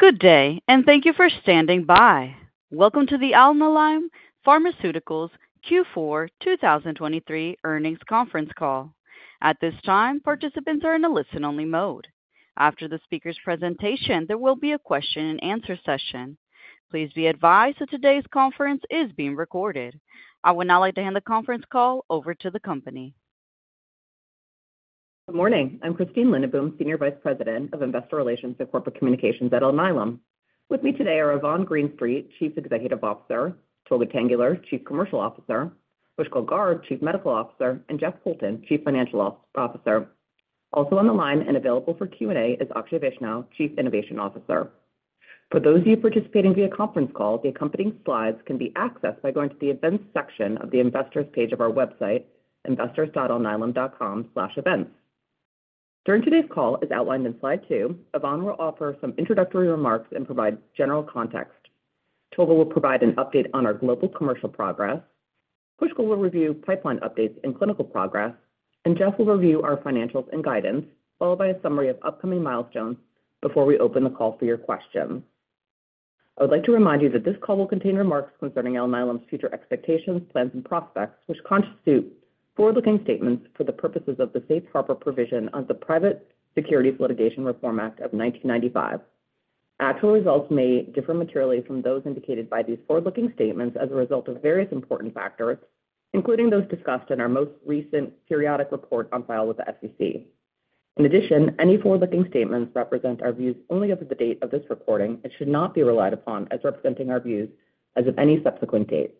Good day, and thank you for standing by. Welcome to the Alnylam Pharmaceuticals Q4 2023 Earnings Conference Call. At this time, participants are in a listen-only mode. After the speaker's presentation, there will be a question-and-answer session. Please be advised that today's conference is being recorded. I would now like to hand the conference call over to the company. Good morning. I'm Christine Lindenboom, Senior Vice President of Investor Relations and Corporate Communications at Alnylam. With me today are Yvonne Greenstreet, Chief Executive Officer, Tolga Tanguler, Chief Commercial Officer, Pushkal Garg, Chief Medical Officer, and Jeff Poulton, Chief Financial Officer. Also on the line and available for Q&A is Akshay Vaishnaw, Chief Innovation Officer. For those of you participating via conference call, the accompanying slides can be accessed by going to the Events section of the Investors page of our website, investors.alnylam.com/events. During today's call, as outlined in slide two, Yvonne will offer some introductory remarks and provide general context. Tolga will provide an update on our global commercial progress. Pushkal will review pipeline updates and clinical progress. Jeff will review our financials and guidance, followed by a summary of upcoming milestones before we open the call for your questions. I would like to remind you that this call will contain remarks concerning Alnylam's future expectations, plans, and prospects, which constitute forward-looking statements for the purposes of the Safe Harbor Provision under the Private Securities Litigation Reform Act of 1995. Actual results may differ materially from those indicated by these forward-looking statements as a result of various important factors, including those discussed in our most recent periodic report on file with the SEC. In addition, any forward-looking statements represent our views only up to the date of this recording and should not be relied upon as representing our views as of any subsequent date.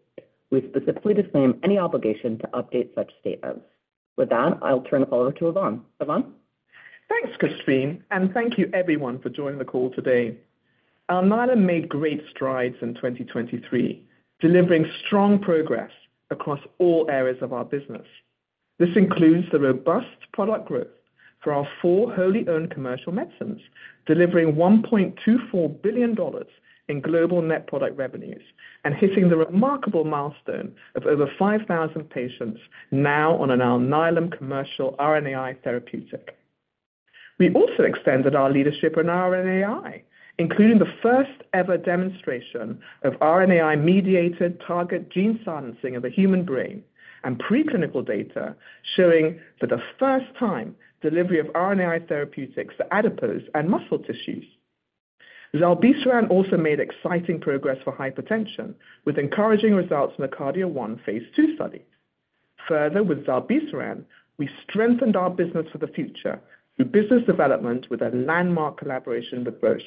We specifically disclaim any obligation to update such statements. With that, I'll turn the call over to Yvonne. Yvonne? Thanks, Christine. And thank you, everyone, for joining the call today. Alnylam made great strides in 2023, delivering strong progress across all areas of our business. This includes the robust product growth for our four wholly owned commercial medicines, delivering $1.24 billion in global net product revenues, and hitting the remarkable milestone of over 5,000 patients now on an Alnylam commercial RNAi therapeutic. We also extended our leadership in RNAi, including the first-ever demonstration of RNAi-mediated target gene silencing of the human brain and preclinical data showing for the first time delivery of RNAi therapeutics to adipose and muscle tissues. Zilebesiran also made exciting progress for hypertension, with encouraging results in a KARDIA-1 phase II study. Further, with zilebesiran, we strengthened our business for the future through business development with a landmark collaboration with Roche.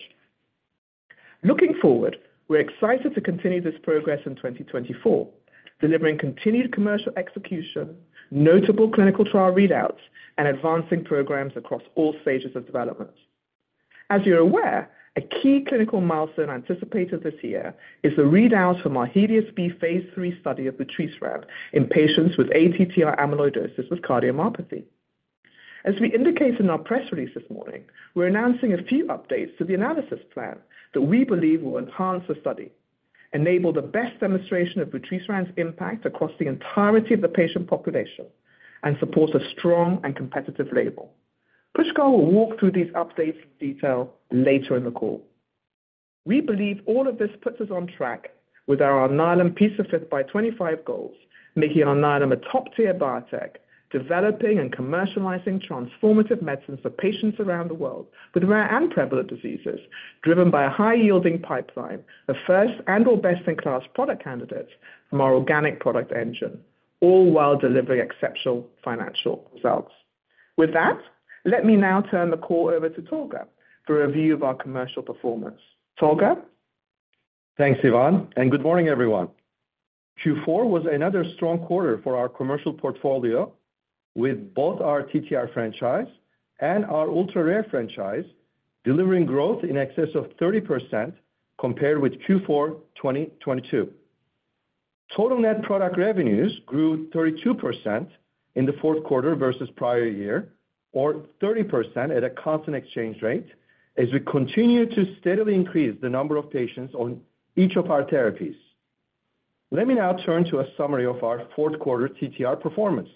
Looking forward, we're excited to continue this progress in 2024, delivering continued commercial execution, notable clinical trial readouts, and advancing programs across all stages of development. As you're aware, a key clinical milestone anticipated this year is the readout for HELIOS-B phase III study of vutrisiran in patients with ATTR amyloidosis with cardiomyopathy. As we indicated in our press release this morning, we're announcing a few updates to the analysis plan that we believe will enhance the study, enable the best demonstration of vutrisiran's impact across the entirety of the patient population, and support a strong and competitive label. Pushkal will walk through these updates in detail later in the call. We believe all of this puts us on track with our Alnylam P5x25 goals, making Alnylam a top-tier biotech, developing and commercializing transformative medicines for patients around the world with rare and prevalent diseases, driven by a high-yielding pipeline of first and/or best-in-class product candidates from our organic product engine, all while delivering exceptional financial results. With that, let me now turn the call over to Tolga for a review of our commercial performance. Tolga? Thanks, Yvonne. And good morning, everyone. Q4 was another strong quarter for our commercial portfolio, with both our TTR franchise and our ultra-rare franchise delivering growth in excess of 30% compared with Q4 2022. Total net product revenues grew 32% in the fourth quarter versus prior year, or 30% at a constant exchange rate as we continue to steadily increase the number of patients on each of our therapies. Let me now turn to a summary of our fourth quarter TTR performance.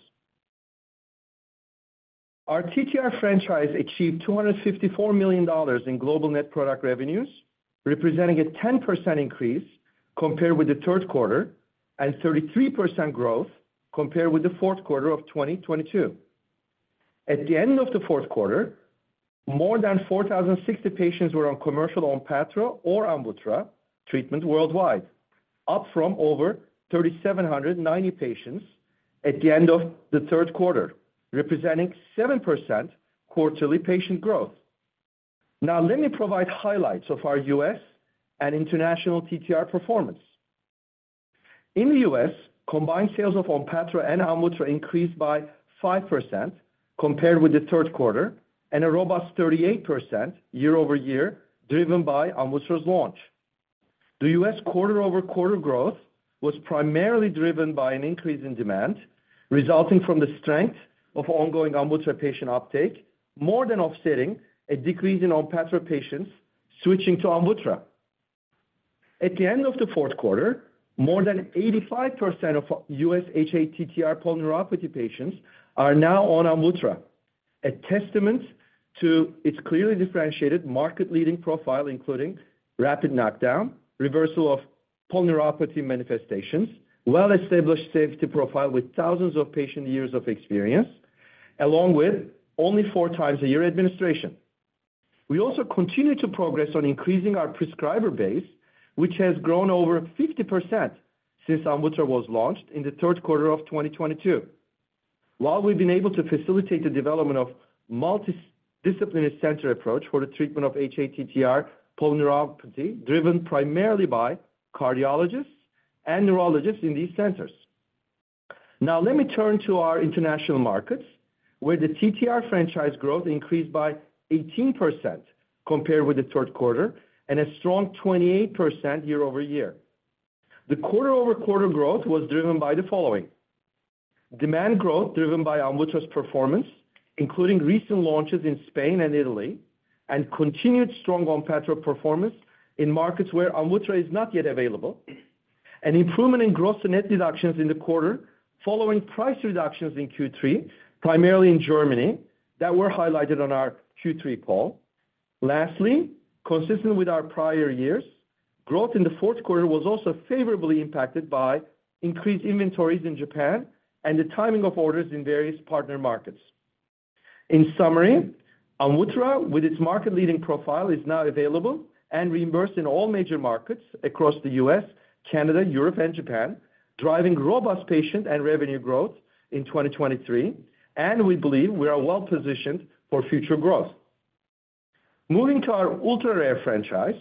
Our TTR franchise achieved $254 million in global net product revenues, representing a 10% increase compared with the third quarter and 33% growth compared with the fourth quarter of 2022. At the end of the fourth quarter, more than 4,060 patients were on commercial ONPATTRO or AMVUTTRA treatment worldwide, up from over 3,790 patients at the end of the third quarter, representing 7% quarterly patient growth. Now, let me provide highlights of our U.S. and international TTR performance. In the U.S., combined sales of ONPATTRO and AMVUTTRA increased by 5% compared with the third quarter and a robust 38% year-over-year driven by AMVUTTRA's launch. The U.S. quarter-over-quarter growth was primarily driven by an increase in demand resulting from the strength of ongoing AMVUTTRA patient uptake, more than offsetting a decrease in ONPATTRO patients switching to AMVUTTRA. At the end of the fourth quarter, more than 85% of U.S. hATTR polyneuropathy patients are now on AMVUTTRA, a testament to its clearly differentiated market-leading profile, including rapid knockdown, reversal of polyneuropathy manifestations, well-established safety profile with thousands of patient years of experience, along with only four times a year administration. We also continue to progress on increasing our prescriber base, which has grown over 50% since AMVUTTRA was launched in the third quarter of 2022, while we've been able to facilitate the development of a multidisciplinary-centered approach for the treatment of hATTR polyneuropathy driven primarily by cardiologists and neurologists in these centers. Now, let me turn to our international markets, where the TTR franchise growth increased by 18% compared with the third quarter and a strong 28% year-over-year. The quarter-over-quarter growth was driven by the following: demand growth driven by AMVUTTRA's performance, including recent launches in Spain and Italy, and continued strong ONPATTRO performance in markets where AMVUTTRA is not yet available. An improvement in gross-to-net deductions in the quarter following price reductions in Q3, primarily in Germany, that were highlighted on our Q3 call. Lastly, consistent with our prior years, growth in the fourth quarter was also favorably impacted by increased inventories in Japan and the timing of orders in various partner markets. In summary, AMVUTTRA, with its market-leading profile, is now available and reimbursed in all major markets across the U.S., Canada, Europe, and Japan, driving robust patient and revenue growth in 2023, and we believe we are well-positioned for future growth. Moving to our ultra-rare franchise,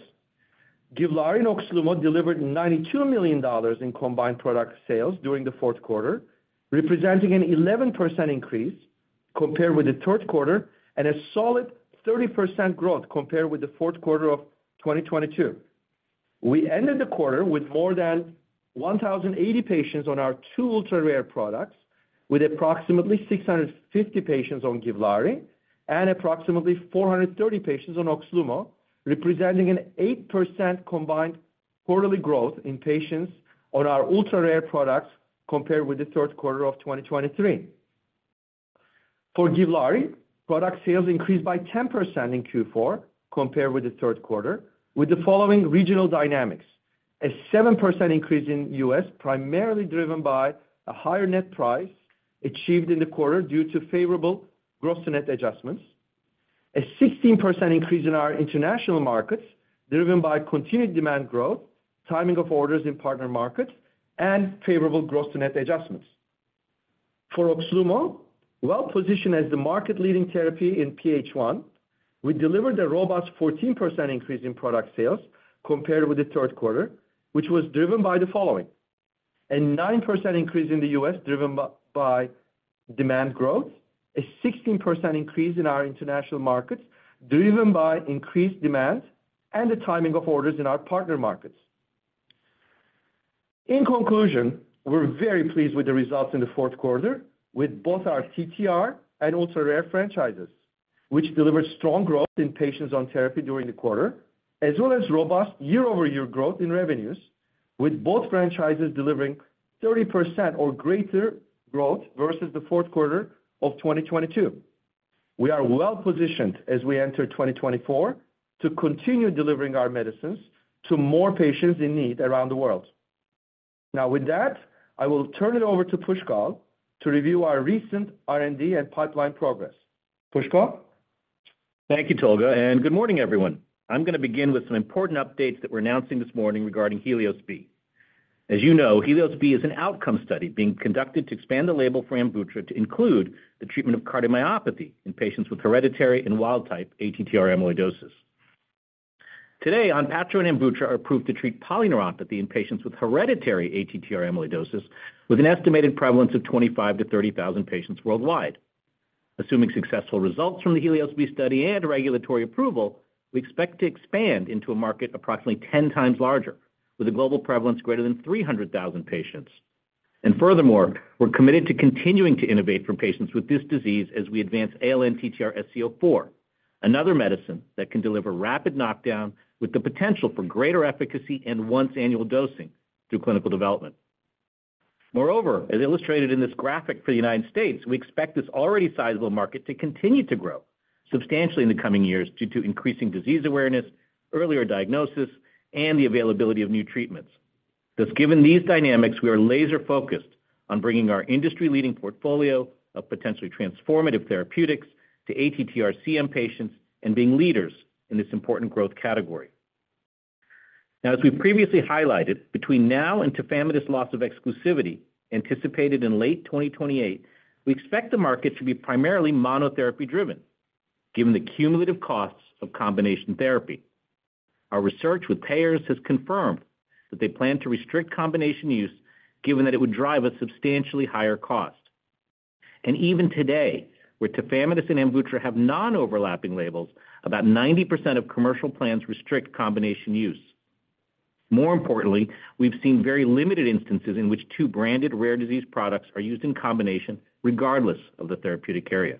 GIVLAARI and OXLUMO delivered $92 million in combined product sales during the fourth quarter, representing an 11% increase compared with the third quarter and a solid 30% growth compared with the fourth quarter of 2022. We ended the quarter with more than 1,080 patients on our two ultra-rare products, with approximately 650 patients on GIVLAARI and approximately 430 patients on OXLUMO, representing an 8% combined quarterly growth in patients on our ultra-rare products compared with the third quarter of 2023. For GIVLAARI, product sales increased by 10% in Q4 compared with the third quarter, with the following regional dynamics: a 7% increase in the U.S., primarily driven by a higher net price achieved in the quarter due to favorable gross-to-net adjustments. A 16% increase in our international markets, driven by continued demand growth, timing of orders in partner markets, and favorable gross-to-net adjustments. For OXLUMO, well-positioned as the market-leading therapy in PH1, we delivered a robust 14% increase in product sales compared with the third quarter, which was driven by the following: a 9% increase in the U.S. Driven by demand growth; a 16% increase in our international markets, driven by increased demand and the timing of orders in our partner markets. In conclusion, we're very pleased with the results in the fourth quarter, with both our TTR and ultra-rare franchises, which delivered strong growth in patients on therapy during the quarter, as well as robust year-over-year growth in revenues, with both franchises delivering 30% or greater growth versus the fourth quarter of 2022. We are well-positioned as we enter 2024 to continue delivering our medicines to more patients in need around the world. Now, with that, I will turn it over to Pushkal to review our recent R&D and pipeline progress. Pushkal? Thank you, Tolga. And good morning, everyone. I'm going to begin with some important updates that we're announcing this morning regarding HELIOS-B. As you know, HELIOS-B is an outcome study being conducted to expand the label for AMVUTTRA to include the treatment of cardiomyopathy in patients with hereditary and wild-type ATTR amyloidosis. Today, ONPATTRO and AMVUTTRA are approved to treat polyneuropathy in patients with hereditary ATTR amyloidosis, with an estimated prevalence of 25,000-30,000 patients worldwide. Assuming successful results from the HELIOS-B study and regulatory approval, we expect to expand into a market approximately 10 times larger, with a global prevalence greater than 300,000 patients. And furthermore, we're committed to continuing to innovate for patients with this disease as we advance ALN-TTRsc04, another medicine that can deliver rapid knockdown with the potential for greater efficacy and once-annual dosing through clinical development. Moreover, as illustrated in this graphic for the United States, we expect this already sizable market to continue to grow substantially in the coming years due to increasing disease awareness, earlier diagnosis, and the availability of new treatments. Thus, given these dynamics, we are laser-focused on bringing our industry-leading portfolio of potentially transformative therapeutics to ATTR CM patients and being leaders in this important growth category. Now, as we've previously highlighted, between now and tafamidis loss of exclusivity anticipated in late 2028, we expect the market to be primarily monotherapy-driven, given the cumulative costs of combination therapy. Our research with payers has confirmed that they plan to restrict combination use, given that it would drive a substantially higher cost. And even today, where tafamidis and AMVUTTRA have non-overlapping labels, about 90% of commercial plans restrict combination use. More importantly, we've seen very limited instances in which two branded rare disease products are used in combination regardless of the therapeutic area.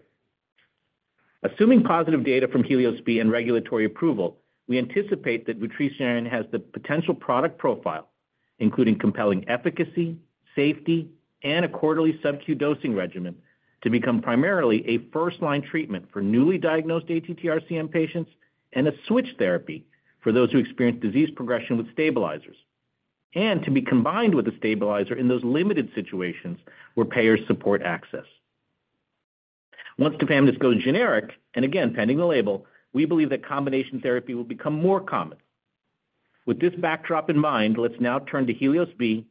Assuming positive data from HELIOS-B and regulatory approval, we anticipate that vutrisiran has the potential product profile, including compelling efficacy, safety, and a quarterly subcutaneous dosing regimen, to become primarily a first-line treatment for newly diagnosed ATTR-CM patients and a switch therapy for those who experience disease progression with stabilizers, and to be combined with a stabilizer in those limited situations where payers support access. Once tafamidis goes generic and again, pending the label, we believe that combination therapy will become more common. With this backdrop in mind, let's now turn to HELIOS-B,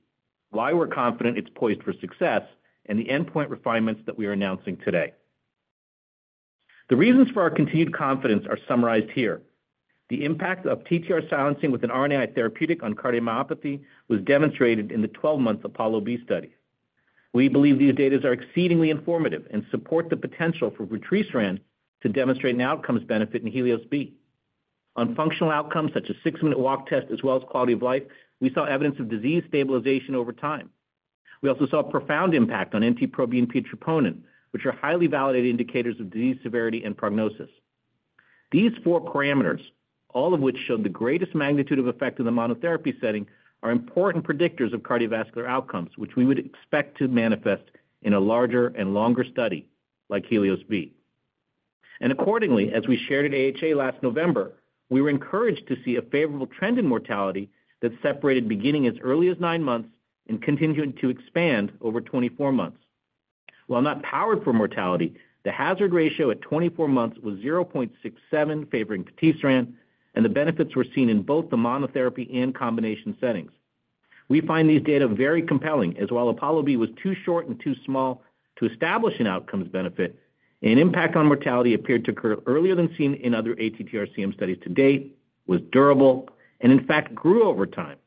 why we're confident it's poised for success, and the endpoint refinements that we are announcing today. The reasons for our continued confidence are summarized here. The impact of TTR silencing with an RNAi therapeutic on cardiomyopathy was demonstrated in the 12-month APOLLO-B study. We believe these data are exceedingly informative and support the potential for vutrisiran to demonstrate an outcomes benefit in HELIOS-B. On functional outcomes such as six-minute walk test as well as quality of life, we saw evidence of disease stabilization over time. We also saw a profound impact on NT-proBNP and troponin, which are highly validated indicators of disease severity and prognosis. These four parameters, all of which showed the greatest magnitude of effect in the monotherapy setting, are important predictors of cardiovascular outcomes, which we would expect to manifest in a larger and longer study like HELIOS-B. And accordingly, as we shared at AHA last November, we were encouraged to see a favorable trend in mortality that separated beginning as early as nine months and continued to expand over 24 months. While not powered for mortality, the hazard ratio at 24 months was 0.67, favoring patisiran, and the benefits were seen in both the monotherapy and combination settings. We find these data very compelling, as while APOLLO-B was too short and too small to establish an outcomes benefit, an impact on mortality appeared to occur earlier than seen in other ATTR-CM studies to date, was durable, and in fact grew over time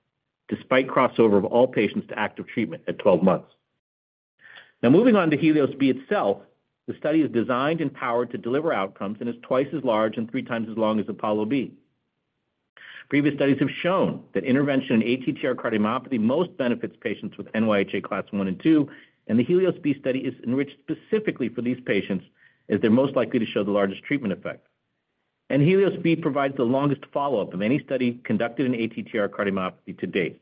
despite crossover of all patients to active treatment at 12 months. Now, moving on to HELIOS-B itself, the study is designed and powered to deliver outcomes and is twice as large and three times as long as APOLLO-B. Previous studies have shown that intervention in ATTR cardiomyopathy most benefits patients with NYHA Class I and II, and the HELIOS-B study is enriched specifically for these patients as they're most likely to show the largest treatment effect. HELIOS-B provides the longest follow-up of any study conducted in ATTR cardiomyopathy to date.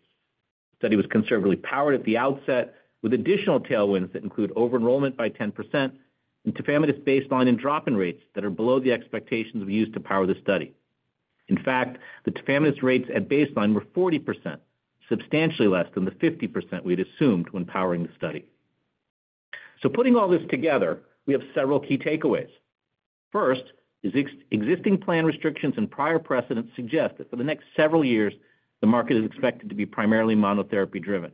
The study was conservatively powered at the outset, with additional tailwinds that include over-enrollment by 10% and tafamidis baseline and drop-in rates that are below the expectations we used to power the study. In fact, the tafamidis rates at baseline were 40%, substantially less than the 50% we had assumed when powering the study. Putting all this together, we have several key takeaways. First, existing plan restrictions and prior precedent suggest that for the next several years, the market is expected to be primarily monotherapy-driven.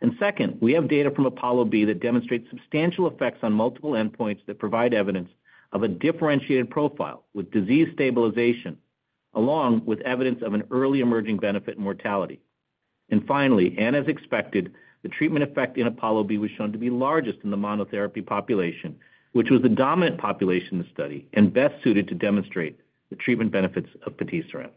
And second, we have data from APOLLO-B that demonstrates substantial effects on multiple endpoints that provide evidence of a differentiated profile with disease stabilization, along with evidence of an early emerging benefit in mortality. And finally, and as expected, the treatment effect in APOLLO-B was shown to be largest in the monotherapy population, which was the dominant population in the study and best suited to demonstrate the treatment benefits of patisiran.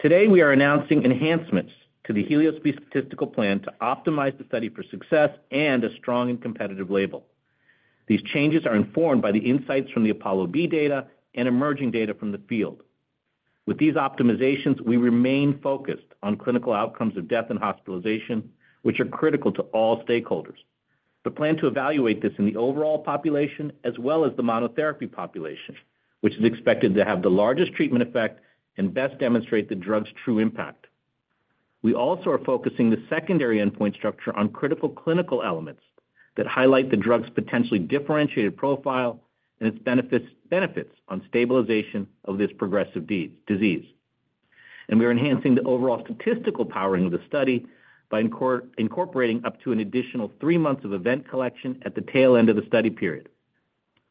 Today, we are announcing enhancements to the HELIOS-B statistical plan to optimize the study for success and a strong and competitive label. These changes are informed by the insights from the APOLLO-B data and emerging data from the field. With these optimizations, we remain focused on clinical outcomes of death and hospitalization, which are critical to all stakeholders. But plan to evaluate this in the overall population as well as the monotherapy population, which is expected to have the largest treatment effect and best demonstrate the drug's true impact. We also are focusing the secondary endpoint structure on critical clinical elements that highlight the drug's potentially differentiated profile and its benefits on stabilization of this progressive disease. We are enhancing the overall statistical powering of the study by incorporating up to an additional three months of event collection at the tail end of the study period,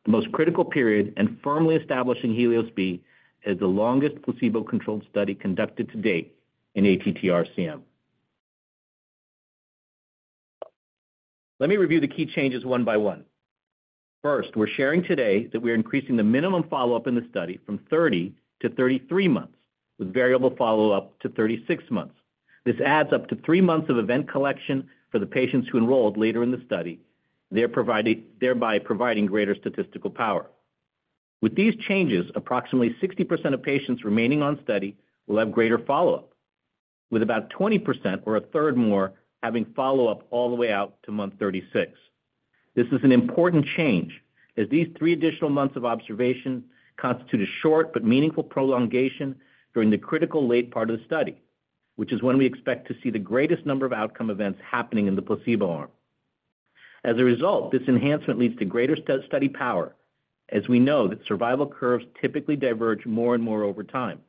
the most critical period, and firmly establishing HELIOS-B as the longest placebo-controlled study conducted to date in ATTR-CM. Let me review the key changes one by one. First, we're sharing today that we are increasing the minimum follow-up in the study from 30-33 months, with variable follow-up to 36 months. This adds up to three months of event collection for the patients who enrolled later in the study, thereby providing greater statistical power. With these changes, approximately 60% of patients remaining on study will have greater follow-up, with about 20% or a 1/3 more having follow-up all the way out to month 36. This is an important change, as these three additional months of observation constitute a short but meaningful prolongation during the critical late part of the study, which is when we expect to see the greatest number of outcome events happening in the placebo arm. As a result, this enhancement leads to greater study power, as we know that survival curves typically diverge more and more over time,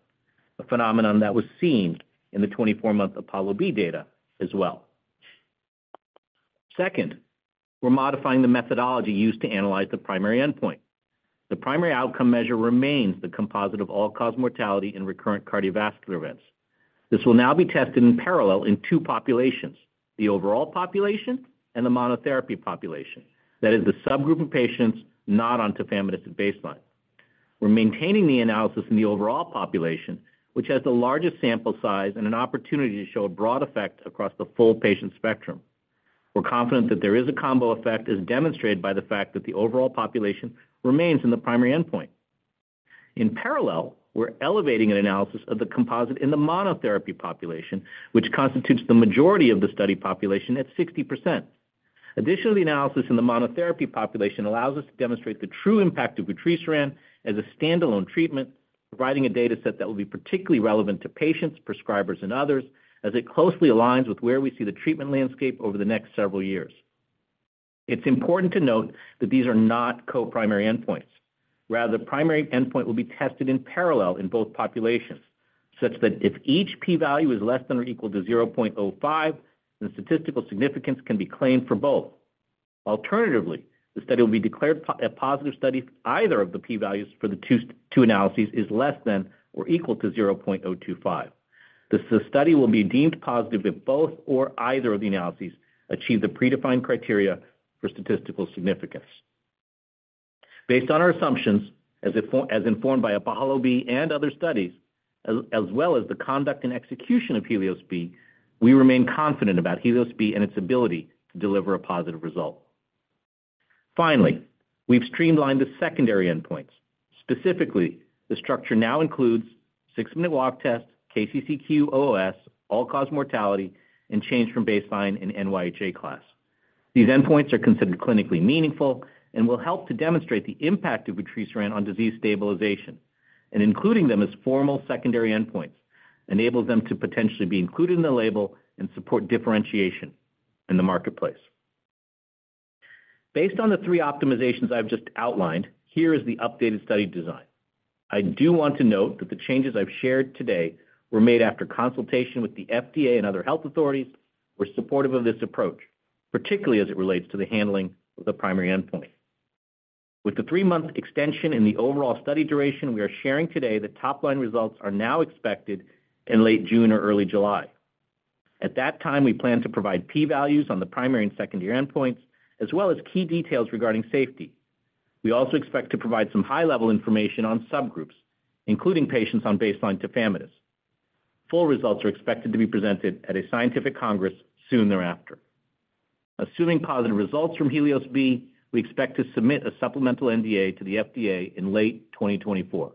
a phenomenon that was seen in the 24-month APOLLO-B data as well. Second, we're modifying the methodology used to analyze the primary endpoint. The primary outcome measure remains the composite of all-cause mortality and recurrent cardiovascular events. This will now be tested in parallel in two populations, the overall population and the monotherapy population, that is, the subgroup of patients not on tafamidis at baseline. We're maintaining the analysis in the overall population, which has the largest sample size and an opportunity to show a broad effect across the full patient spectrum. We're confident that there is a combo effect, as demonstrated by the fact that the overall population remains in the primary endpoint. In parallel, we're elevating an analysis of the composite in the monotherapy population, which constitutes the majority of the study population at 60%. Additionally, the analysis in the monotherapy population allows us to demonstrate the true impact of vutrisiran as a standalone treatment, providing a dataset that will be particularly relevant to patients, prescribers, and others, as it closely aligns with where we see the treatment landscape over the next several years. It's important to note that these are not co-primary endpoints. Rather, the primary endpoint will be tested in parallel in both populations, such that if each p-value is less than or equal to 0.05, then statistical significance can be claimed for both. Alternatively, the study will be declared a positive study if either of the p-values for the two analyses is less than or equal to 0.025. The study will be deemed positive if both or either of the analyses achieve the predefined criteria for statistical significance. Based on our assumptions, as informed by APOLLO-B and other studies, as well as the conduct and execution of HELIOS-B, we remain confident about HELIOS-B and its ability to deliver a positive result. Finally, we've streamlined the secondary endpoints. Specifically, the structure now includes six-minute walk test, KCCQ-OS, all-cause mortality, and change from baseline in NYHA Class. These endpoints are considered clinically meaningful and will help to demonstrate the impact of vutrisiran on disease stabilization. Including them as formal secondary endpoints enables them to potentially be included in the label and support differentiation in the marketplace. Based on the three optimizations I've just outlined, here is the updated study design. I do want to note that the changes I've shared today were made after consultation with the FDA and other health authorities who are supportive of this approach, particularly as it relates to the handling of the primary endpoint. With the three-month extension in the overall study duration, we are sharing today the top-line results are now expected in late June or early July. At that time, we plan to provide p-values on the primary and secondary endpoints, as well as key details regarding safety. We also expect to provide some high-level information on subgroups, including patients on baseline tafamidis. Full results are expected to be presented at a scientific congress soon thereafter. Assuming positive results from HELIOS-B, we expect to submit a supplemental NDA to the FDA in late 2024.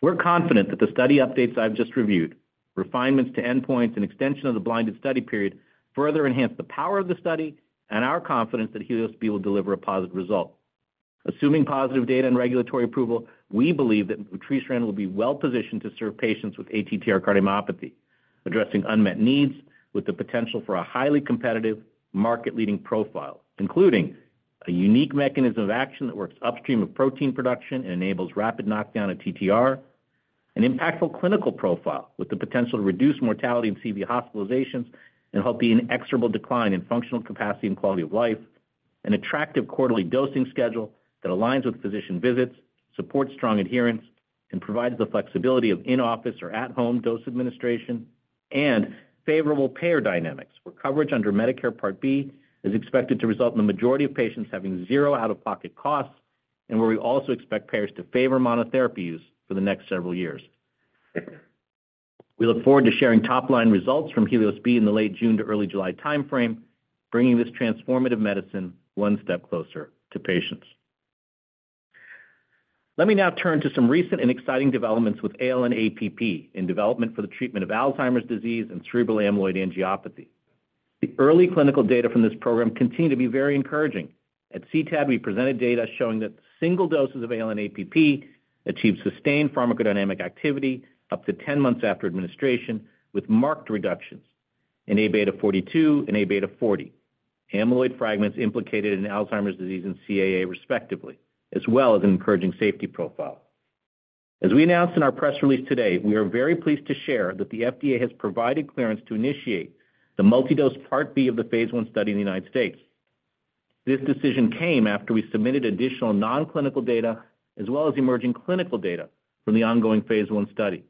We're confident that the study updates I've just reviewed, refinements to endpoints, and extension of the blinded study period further enhance the power of the study and our confidence that HELIOS-B will deliver a positive result. Assuming positive data and regulatory approval, we believe that vutrisiran will be well-positioned to serve patients with ATTR cardiomyopathy, addressing unmet needs with the potential for a highly competitive, market-leading profile, including a unique mechanism of action that works upstream of protein production and enables rapid knockdown of TTR, an impactful clinical profile with the potential to reduce mortality and CV hospitalizations and help the inexorable decline in functional capacity and quality of life, an attractive quarterly dosing schedule that aligns with physician visits, supports strong adherence, and provides the flexibility of in-office or at-home dose administration, and favorable payer dynamics where coverage under Medicare Part B is expected to result in the majority of patients having zero out-of-pocket costs, and where we also expect payers to favor monotherapy use for the next several years. We look forward to sharing top-line results from HELIOS-B in the late June to early July time frame, bringing this transformative medicine one step closer to patients. Let me now turn to some recent and exciting developments with ALN-APP in development for the treatment of Alzheimer's disease and cerebral amyloid angiopathy. The early clinical data from this program continue to be very encouraging. At CTAD, we presented data showing that single doses of ALN-APP achieved sustained pharmacodynamic activity up to 10 months after administration with marked reductions in Aβ 42 and Aβ 40, amyloid fragments implicated in Alzheimer's disease and CAA, respectively, as well as an encouraging safety profile. As we announced in our press release today, we are very pleased to share that the FDA has provided clearance to initiate the multidose Part B of the phase I study in the United States. This decision came after we submitted additional non-clinical data as well as emerging clinical data from the ongoing phase I study.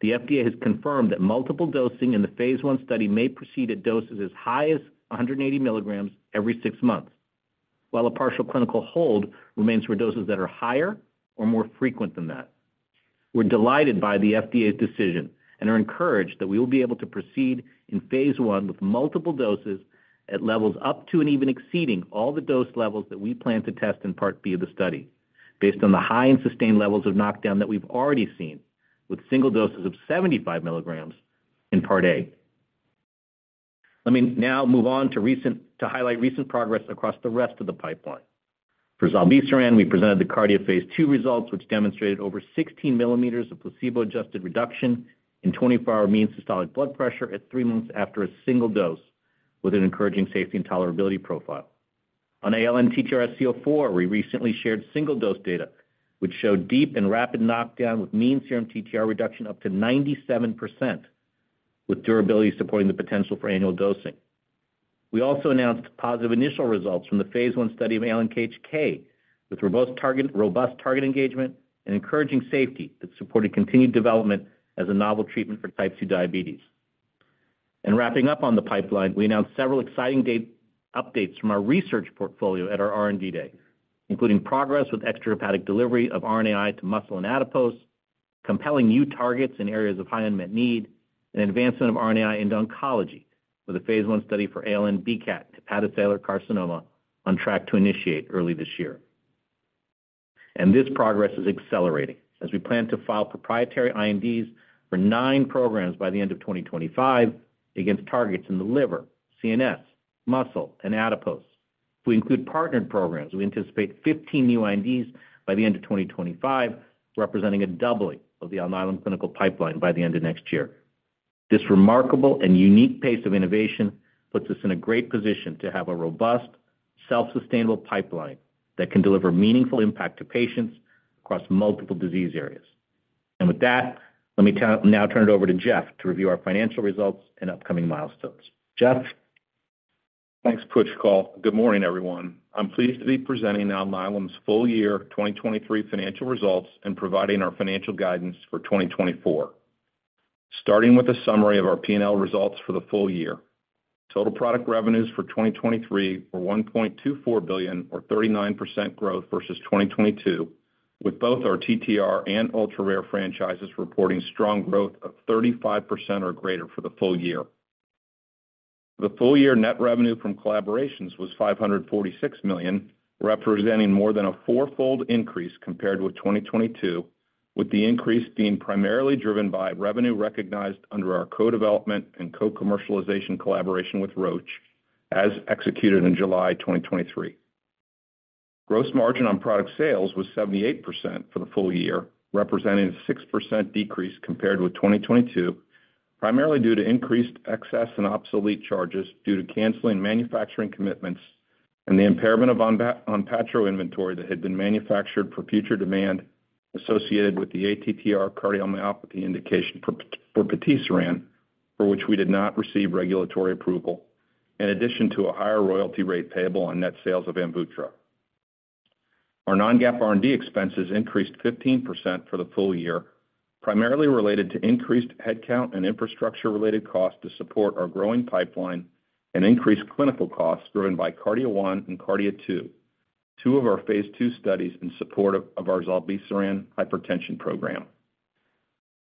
The FDA has confirmed that multiple dosing in the phase I study may proceed at doses as high as 180 mg every six months, while a partial clinical hold remains for doses that are higher or more frequent than that. We're delighted by the FDA's decision and are encouraged that we will be able to proceed in phase I with multiple doses at levels up to and even exceeding all the dose levels that we plan to test in Part B of the study, based on the high and sustained levels of knockdown that we've already seen with single doses of 75 mg in Part A. Let me now move on to highlight recent progress across the rest of the pipeline. For zilebesiran, we presented the KARDIA phase II results, which demonstrated over 16 mm of placebo-adjusted reduction in 24-hour mean systolic blood pressure at three months after a single dose with an encouraging safety and tolerability profile. On ALN-TTRsc04, we recently shared single-dose data, which showed deep and rapid knockdown with mean serum TTR reduction up to 97%, with durability supporting the potential for annual dosing. We also announced positive initial results from the phase I study of ALN-KHK with robust target engagement and encouraging safety that supported continued development as a novel treatment for type 2 diabetes. Wrapping up on the pipeline, we announced several exciting updates from our research portfolio at our R&D Day, including progress with extrahepatic delivery of RNAi to muscle and adipose, compelling new targets in areas of high unmet need, and advancement of RNAi in oncology, with a phase I study for ALN-BCAT, hepatocellular carcinoma, on track to initiate early this year. This progress is accelerating as we plan to file proprietary INDs for nine programs by the end of 2025 against targets in the liver, CNS, muscle, and adipose. If we include partnered programs, we anticipate 15 new INDs by the end of 2025, representing a doubling of the Alnylam clinical pipeline by the end of next year. This remarkable and unique pace of innovation puts us in a great position to have a robust, self-sustainable pipeline that can deliver meaningful impact to patients across multiple disease areas. With that, let me now turn it over to Jeff to review our financial results and upcoming milestones. Jeff. Thanks, Pushkal. Good morning, everyone. I'm pleased to be presenting Alnylam's full year 2023 financial results and providing our financial guidance for 2024. Starting with a summary of our P&L results for the full year, total product revenues for 2023 were $1.24 billion, or 39% growth versus 2022, with both our TTR and ultra-rare franchises reporting strong growth of 35% or greater for the full year. The full year net revenue from collaborations was $546 million, representing more than a fourfold increase compared with 2022, with the increase being primarily driven by revenue recognized under our co-development and co-commercialization collaboration with Roche, as executed in July 2023. Gross margin on product sales was 78% for the full year, representing a 6% decrease compared with 2022, primarily due to increased excess and obsolete charges due to canceling manufacturing commitments and the impairment of ONPATTRO inventory that had been manufactured for future demand associated with the ATTR cardiomyopathy indication for patisiran, for which we did not receive regulatory approval, in addition to a higher royalty rate payable on net sales of AMVUTTRA. Our non-GAAP R&D expenses increased 15% for the full year, primarily related to increased headcount and infrastructure-related costs to support our growing pipeline and increased clinical costs driven by KARDIA-1 and KARDIA-2, two of our phase II studies in support of our zilebesiran hypertension program.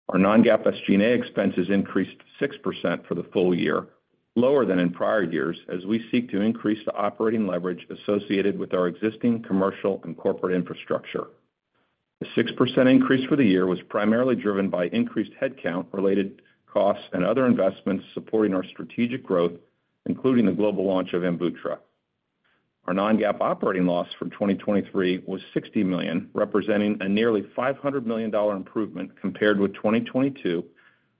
Our non-GAAP SG&A expenses increased 6% for the full year, lower than in prior years, as we seek to increase the operating leverage associated with our existing commercial and corporate infrastructure. The 6% increase for the year was primarily driven by increased headcount-related costs and other investments supporting our strategic growth, including the global launch of AMVUTTRA. Our non-GAAP operating loss for 2023 was $60 million, representing a nearly $500 million improvement compared with 2022,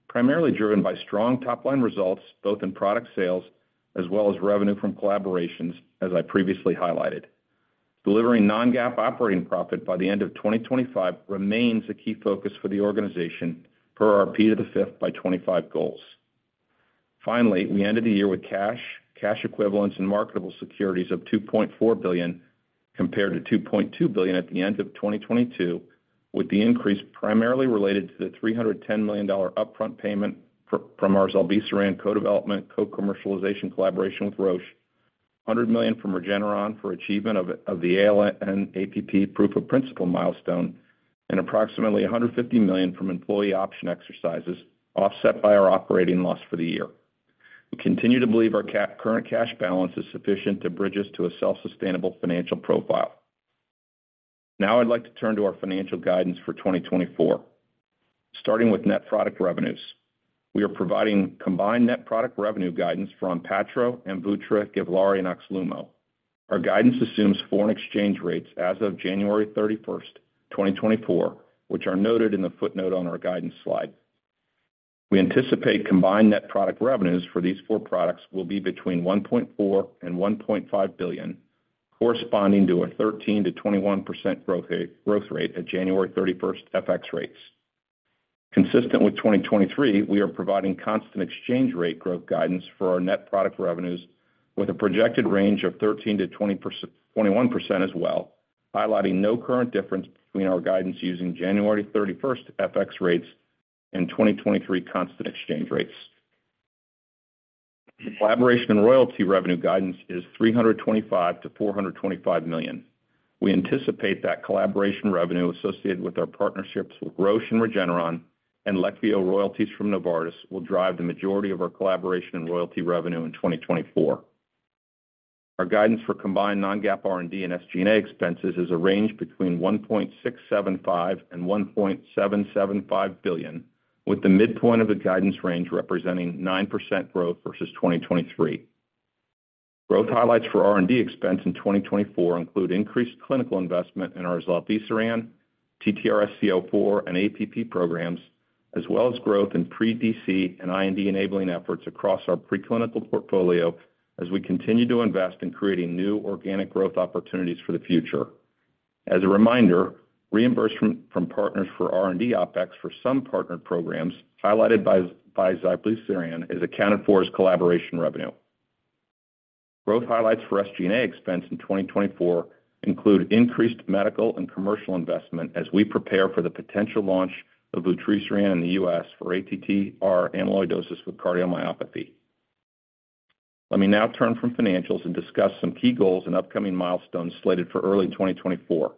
primarily driven by strong top-line results both in product sales as well as revenue from collaborations, as I previously highlighted. Delivering non-GAAP operating profit by the end of 2025 remains a key focus for the organization per our P5x25 goals. Finally, we ended the year with cash, cash equivalents, and marketable securities of $2.4 billion compared to $2.2 billion at the end of 2022, with the increase primarily related to the $310 million upfront payment from our zilebesiran co-development, co-commercialization collaboration with Roche, $100 million from Regeneron for achievement of the ALN-APP proof of principle milestone, and approximately $150 million from employee option exercises offset by our operating loss for the year. We continue to believe our current cash balance is sufficient to bridge us to a self-sustainable financial profile. Now I'd like to turn to our financial guidance for 2024. Starting with net product revenues, we are providing combined net product revenue guidance for ONPATTRO, AMVUTTRA, GIVLAARI, and OXLUMO. Our guidance assumes foreign exchange rates as of January 31st, 2024, which are noted in the footnote on our guidance slide. We anticipate combined net product revenues for these four products will be between $1.4 billion-$1.5 billion, corresponding to a 13%-21% growth rate at January 31st FX rates. Consistent with 2023, we are providing constant exchange rate growth guidance for our net product revenues with a projected range of 13%-21% as well, highlighting no current difference between our guidance using January 31st FX rates and 2023 constant exchange rates. Collaboration and royalty revenue guidance is $325 million-$425 million. We anticipate that collaboration revenue associated with our partnerships with Roche and Regeneron and LEQVIO royalties from Novartis will drive the majority of our collaboration and royalty revenue in 2024. Our guidance for combined non-GAAP R&D and SG&A expenses is arranged between $1.675 billion-$1.775 billion, with the midpoint of the guidance range representing 9% growth versus 2023. Growth highlights for R&D expense in 2024 include increased clinical investment in our zilebesiran, TTRsc04, and APP programs, as well as growth in pre-DC and IND-enabling efforts across our preclinical portfolio as we continue to invest in creating new organic growth opportunities for the future. As a reminder, reimbursement from partners for R&D OpEx for some partnered programs highlighted by zilebesiran is accounted for as collaboration revenue. Growth highlights for SG&A expense in 2024 include increased medical and commercial investment as we prepare for the potential launch of vutrisiran in the U.S. for ATTR amyloidosis with cardiomyopathy. Let me now turn from financials and discuss some key goals and upcoming milestones slated for early 2024.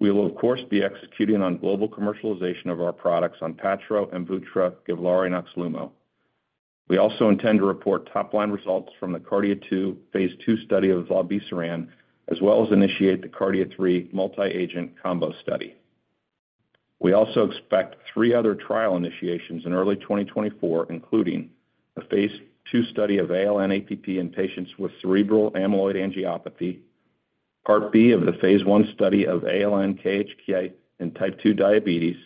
We will, of course, be executing on global commercialization of our products ONPATTRO, AMVUTTRA, GIVLAARI, and OXLUMO. We also intend to report top-line results from the KARDIA-2 phase II study of zilebesiran, as well as initiate the KARDIA-3 multi-agent combo study. We also expect three other trial initiations in early 2024, including a phase II study of ALN-APP in patients with cerebral amyloid angiopathy, Part B of the phase I study of ALN-KHK and type 2 diabetes,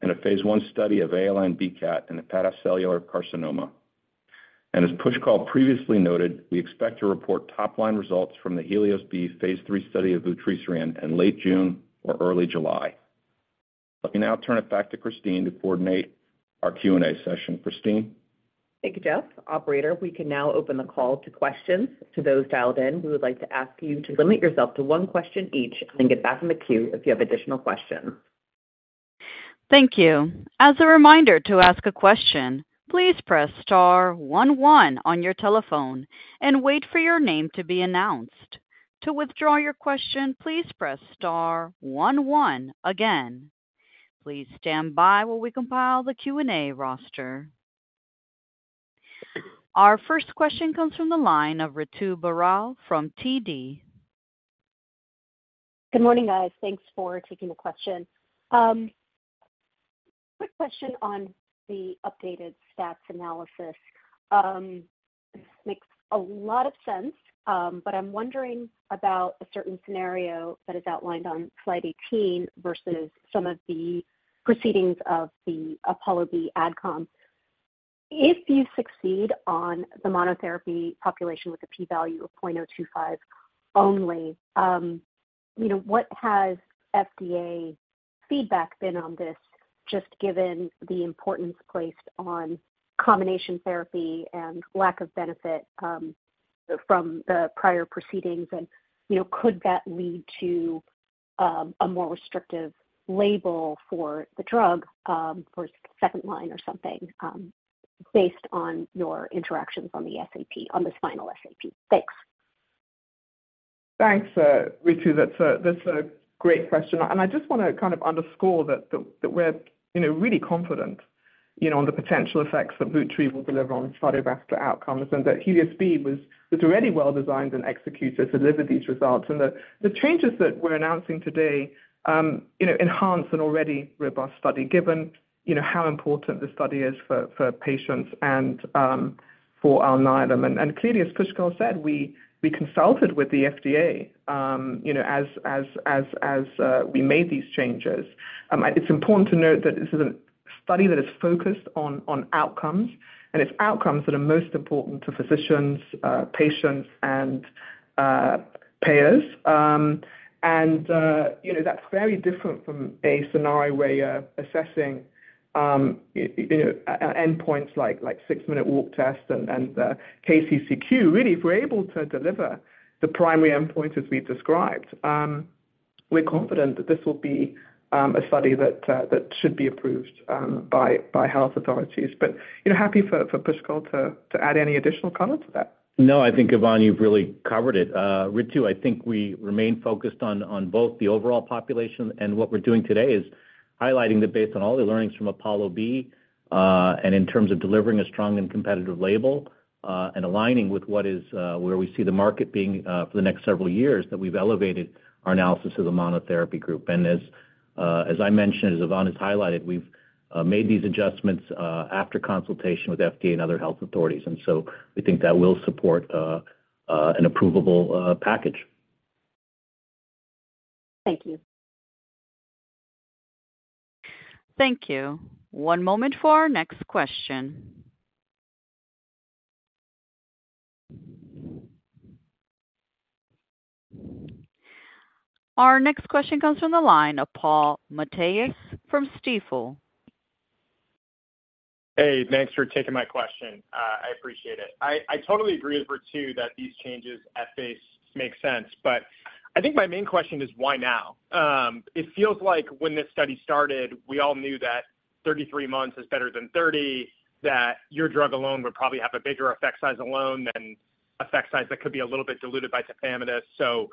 and a phase I study of ALN-BCAT and hepatocellular carcinoma. As Pushkal previously noted, we expect to report top-line results from the HELIOS-B phase III study of vutrisiran in late June or early July. Let me now turn it back to Christine to coordinate our Q&A session. Christine. Thank you, Jeff. Operator, we can now open the call to questions. To those dialed in, we would like to ask you to limit yourself to one question each and then get back in the queue if you have additional questions. Thank you. As a reminder to ask a question, please press star one, one on your telephone and wait for your name to be announced. To withdraw your question, please press star one, one again. Please stand by while we compile the Q&A roster. Our first question comes from the line of Ritu Baral from TD. Good morning, guys. Thanks for taking the question. Quick question on the updated stats analysis. This makes a lot of sense, but I'm wondering about a certain scenario that is outlined on slide 18 versus some of the proceedings of the APOLLO-B AdCom. If you succeed on the monotherapy population with a p-value of 0.025 only, what has FDA feedback been on this, just given the importance placed on combination therapy and lack of benefit from the prior proceedings? And could that lead to a more restrictive label for the drug, for second line or something, based on your interactions on the SAP, on this final SAP? Thanks. Thanks, Ritu. That's a great question. I just want to kind of underscore that we're really confident on the potential effects that vutrisiran will deliver on cardiovascular outcomes and that HELIOS-B was already well designed and executed to deliver these results. The changes that we're announcing today enhance an already robust study, given how important the study is for patients and for Alnylam. Clearly, as Pushkal said, we consulted with the FDA as we made these changes. It's important to note that this is a study that is focused on outcomes, and it's outcomes that are most important to physicians, patients, and payers. That's very different from a scenario where you're assessing endpoints like six-minute walk test and KCCQ. Really, if we're able to deliver the primary endpoints as we've described, we're confident that this will be a study that should be approved by health authorities. But happy for Pushkal to add any additional color to that. No, I think, Yvonne, you've really covered it. Ritu, I think we remain focused on both the overall population and what we're doing today is highlighting that based on all the learnings from APOLLO-B and in terms of delivering a strong and competitive label and aligning with where we see the market being for the next several years, that we've elevated our analysis of the monotherapy group. As I mentioned, as Yvonne has highlighted, we've made these adjustments after consultation with FDA and other health authorities. So we think that will support an approvable package. Thank you. Thank you. One moment for our next question. Our next question comes from the line, Paul Matteis from Stifel. Hey, thanks for taking my question. I appreciate it. I totally agree with Ritu that these changes at face make sense, but I think my main question is why now? It feels like when this study started, we all knew that 33 months is better than 30, that your drug alone would probably have a bigger effect size alone than effect size that could be a little bit diluted by tafamidis. So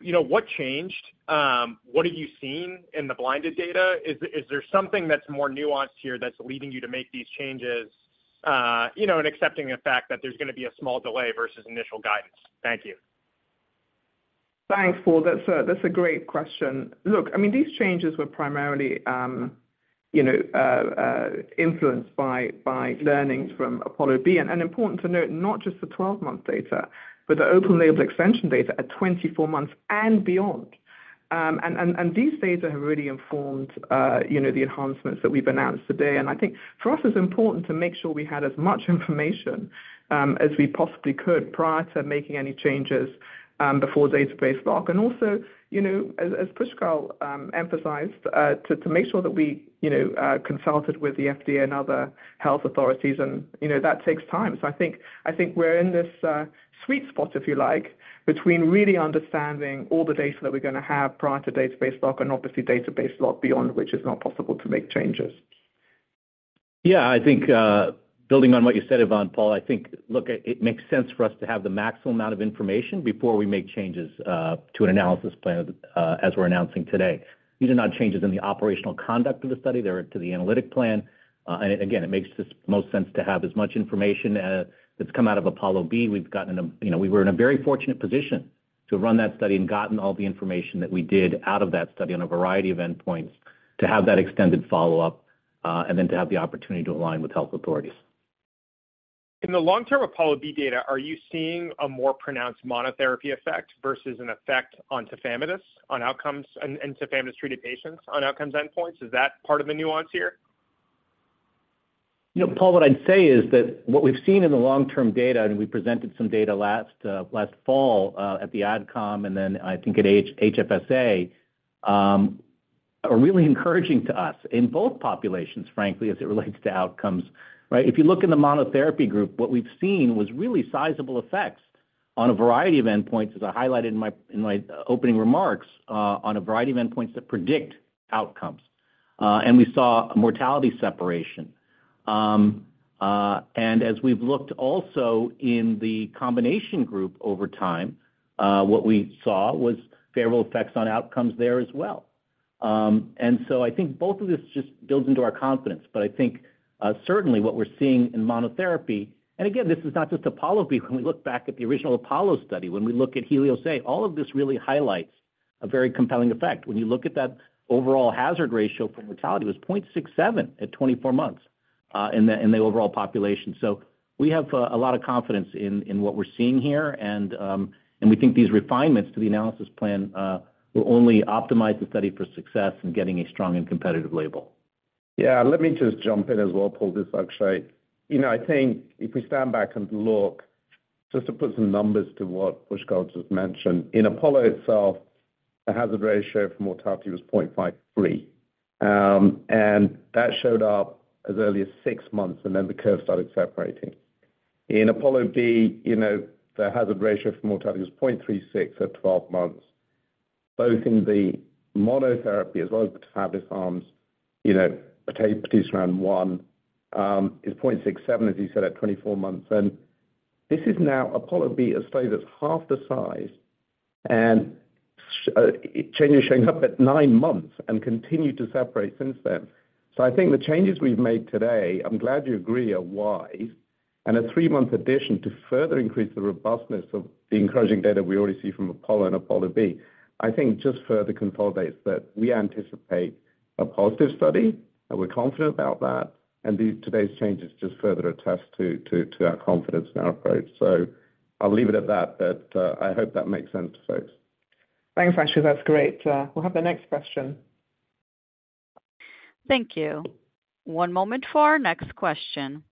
what changed? What have you seen in the blinded data? Is there something that's more nuanced here that's leading you to make these changes and accepting the fact that there's going to be a small delay versus initial guidance? Thank you. Thanks, Paul. That's a great question. Look, I mean, these changes were primarily influenced by learnings from APOLLO-B. And important to note, not just the 12-month data, but the open label extension data at 24 months and beyond. And these data have really informed the enhancements that we've announced today. And I think for us, it's important to make sure we had as much information as we possibly could prior to making any changes before database lock. And also, as Pushkal emphasized, to make sure that we consulted with the FDA and other health authorities. And that takes time. I think we're in this sweet spot, if you like, between really understanding all the data that we're going to have prior to database lock and obviously database lock beyond which it's not possible to make changes. Yeah, I think building on what you said, Yvonne, Paul, I think, look, it makes sense for us to have the maximum amount of information before we make changes to an analysis plan as we're announcing today. These are not changes in the operational conduct of the study. They're to the analytic plan. Again, it makes the most sense to have as much information that's come out of APOLLO-B. We've gotten. We were in a very fortunate position to run that study and gotten all the information that we did out of that study on a variety of endpoints to have that extended follow-up and then to have the opportunity to align with health authorities. In the long-term APOLLO-B data, are you seeing a more pronounced monotherapy effect versus an effect on tafamidis and tafamidis-treated patients on outcomes endpoints? Is that part of the nuance here? Paul, what I'd say is that what we've seen in the long-term data, and we presented some data last fall at the AdCom and then I think at HFSA, are really encouraging to us in both populations, frankly, as it relates to outcomes, right? If you look in the monotherapy group, what we've seen was really sizable effects on a variety of endpoints, as I highlighted in my opening remarks, on a variety of endpoints that predict outcomes. We saw mortality separation. As we've looked also in the combination group over time, what we saw was favorable effects on outcomes there as well. So I think both of this just builds into our confidence. But I think certainly what we're seeing in monotherapy and again, this is not just APOLLO-B. When we look back at the original APOLLO study, when we look at HELIOS-A, all of this really highlights a very compelling effect. When you look at that overall hazard ratio for mortality, it was 0.67 at 24 months in the overall population. So we have a lot of confidence in what we're seeing here. And we think these refinements to the analysis plan will only optimize the study for success in getting a strong and competitive label. Yeah, let me just jump in as well, Paul, this actually. I think if we stand back and look, just to put some numbers to what Pushkal just mentioned, in APOLLO itself, the hazard ratio for mortality was 0.53. And that showed up as early as six months, and then the curve started separating. In APOLLO-B, the hazard ratio for mortality was 0.36 at 12 months. Both in the monotherapy as well as the tafamidis arms, placebos around one, is 0.67, as you said, at 24 months. And this is now APOLLO-B, a study that's half the size. And changes showing up at nine months and continue to separate since then. So I think the changes we've made today, I'm glad you agree are wise. And a three-month addition to further increase the robustness of the encouraging data we already see from APOLLO and APOLLO-B, I think just further consolidates that we anticipate a positive study, and we're confident about that. And today's changes just further attest to our confidence in our approach. So I'll leave it at that. But I hope that makes sense to folks. Thanks, Akshay. That's great. We'll have the next question. Thank you. One moment for our next question.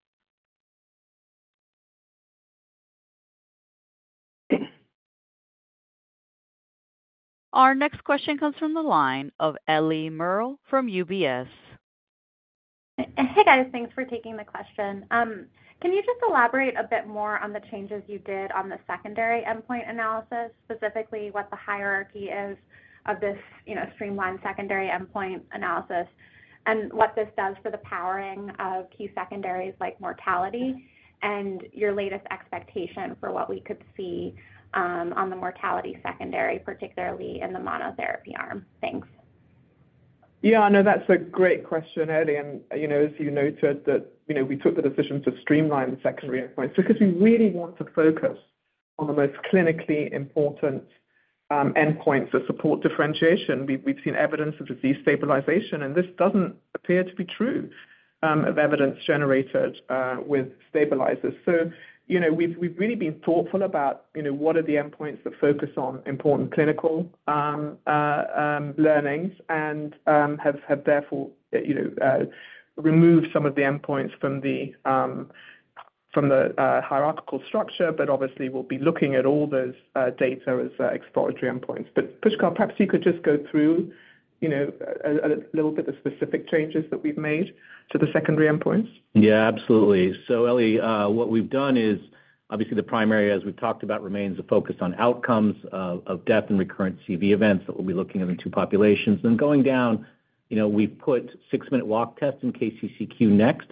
Our next question comes from the line of Ellie Merle from UBS. Hey, guys. Thanks for taking the question. Can you just elaborate a bit more on the changes you did on the secondary endpoint analysis, specifically what the hierarchy is of this streamlined secondary endpoint analysis and what this does for the powering of key secondaries like mortality and your latest expectation for what we could see on the mortality secondary, particularly in the monotherapy arm? Thanks. Yeah, no, that's a great question, Ellie. And as you noted that we took the decision to streamline the secondary endpoints because we really want to focus on the most clinically important endpoints that support differentiation. We've seen evidence of disease stabilization, and this doesn't appear to be true of evidence generated with stabilizers. So we've really been thoughtful about what are the endpoints that focus on important clinical learnings and have therefore removed some of the endpoints from the hierarchical structure. But obviously, we'll be looking at all those data as exploratory endpoints. But Pushkal, perhaps you could just go through a little bit of specific changes that we've made to the secondary endpoints. Yeah, absolutely. So Ellie, what we've done is obviously, the primary, as we've talked about, remains a focus on outcomes of death and recurrent CV events that we'll be looking at in two populations. Then going down, we've put six-minute walk tests and KCCQ next.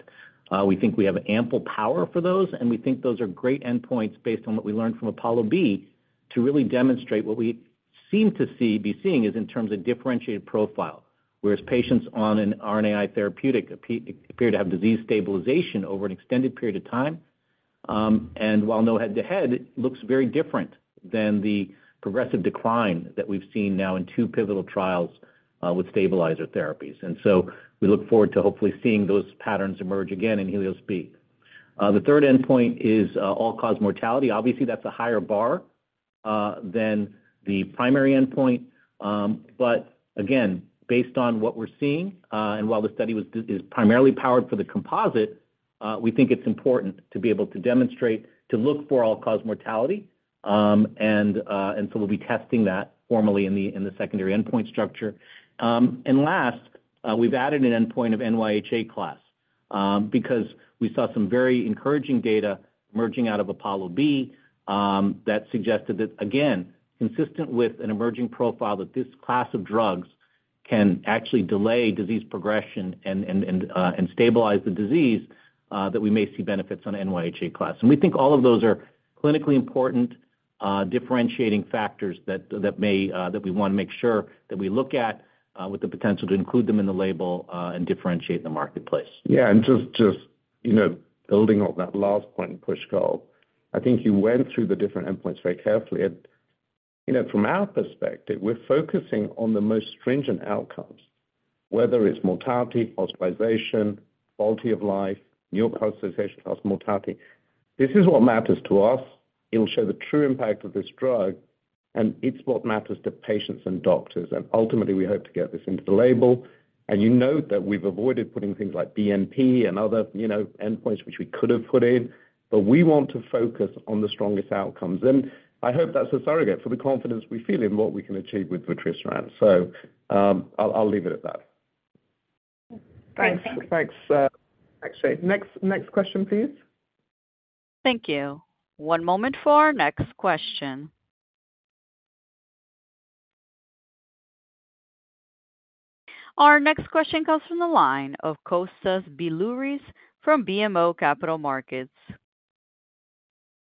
We think we have ample power for those, and we think those are great endpoints based on what we learned from APOLLO-B to really demonstrate what we seem to be seeing is in terms of differentiated profile, whereas patients on an RNAi therapeutic appear to have disease stabilization over an extended period of time. And while no head-to-head, it looks very different than the progressive decline that we've seen now in two pivotal trials with stabilizer therapies. And so we look forward to hopefully seeing those patterns emerge again in HELIOS-B. The third endpoint is all-cause mortality. Obviously, that's a higher bar than the primary endpoint. But again, based on what we're seeing, and while the study is primarily powered for the composite, we think it's important to be able to demonstrate to look for all-cause mortality. And so we'll be testing that formally in the secondary endpoint structure. And last, we've added an endpoint of NYHA class because we saw some very encouraging data emerging out of APOLLO-B that suggested that, again, consistent with an emerging profile that this class of drugs can actually delay disease progression and stabilize the disease, that we may see benefits on NYHA class. And we think all of those are clinically important differentiating factors that we want to make sure that we look at with the potential to include them in the label and differentiate in the marketplace. Yeah, and just building off that last point, Pushkal, I think you went through the different endpoints very carefully. And from our perspective, we're focusing on the most stringent outcomes, whether it's mortality, hospitalization, quality of life, New York Heart Association class, mortality. This is what matters to us. It'll show the true impact of this drug, and it's what matters to patients and doctors. And ultimately, we hope to get this into the label. And you note that we've avoided putting things like BNP and other endpoints which we could have put in, but we want to focus on the strongest outcomes. I hope that's a surrogate for the confidence we feel in what we can achieve with vutrisiran. I'll leave it at that. Thanks. Thanks, Akshay. Next question, please. Thank you. One moment for our next question. Our next question comes from the line of Kostas Biliouris from BMO Capital Markets.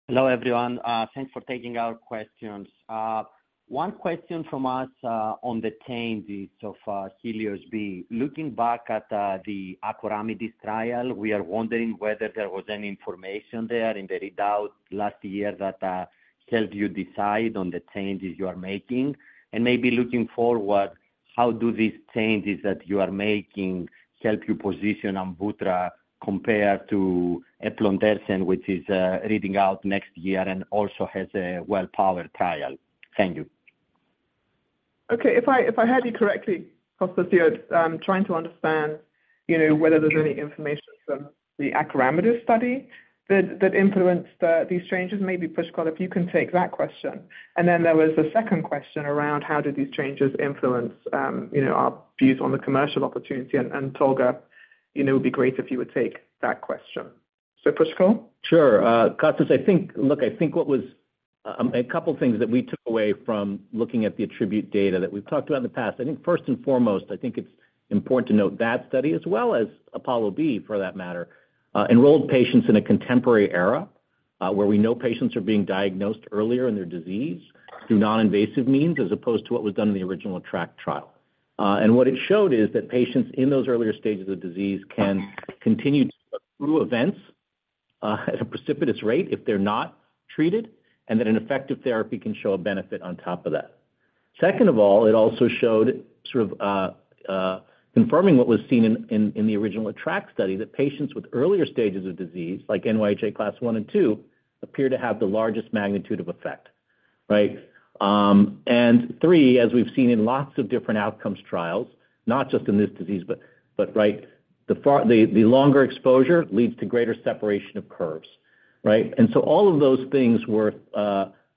Hello, everyone. Thanks for taking our questions. One question from us on the changes to HELIOS-B. Looking back at the acoramidis trial, we are wondering whether there was any information there in the readout last year that helped you decide on the changes you are making. And maybe looking forward, how do these changes that you are making help you position AMVUTTRA compared to eplontersen, which is reading out next year and also has a well-powered trial? Thank you. Okay, if I heard you correctly, Kostas, I'm trying to understand whether there's any information from the acoramidis study that influenced these changes. Maybe, Pushkal, if you can take that question. And then there was a second question around how did these changes influence our views on the commercial opportunity. And Tolga, it would be great if you would take that question. So, Pushkal? Sure. Kostas, look, I think what was a couple of things that we took away from looking at the ATTRibute data that we've talked about in the past. I think first and foremost, I think it's important to note that study as well as APOLLO-B, for that matter, enrolled patients in a contemporary era where we know patients are being diagnosed earlier in their disease through non-invasive means as opposed to what was done in the original ATTR-ACT trial. What it showed is that patients in those earlier stages of disease can continue to have true events at a precipitous rate if they're not treated, and that an effective therapy can show a benefit on top of that. Second of all, it also showed sort of confirming what was seen in the original ATTR-ACT study that patients with earlier stages of disease like NYHA Class I and II appear to have the largest magnitude of effect, right? And three, as we've seen in lots of different outcomes trials, not just in this disease, but right, the longer exposure leads to greater separation of curves, right? And so all of those things were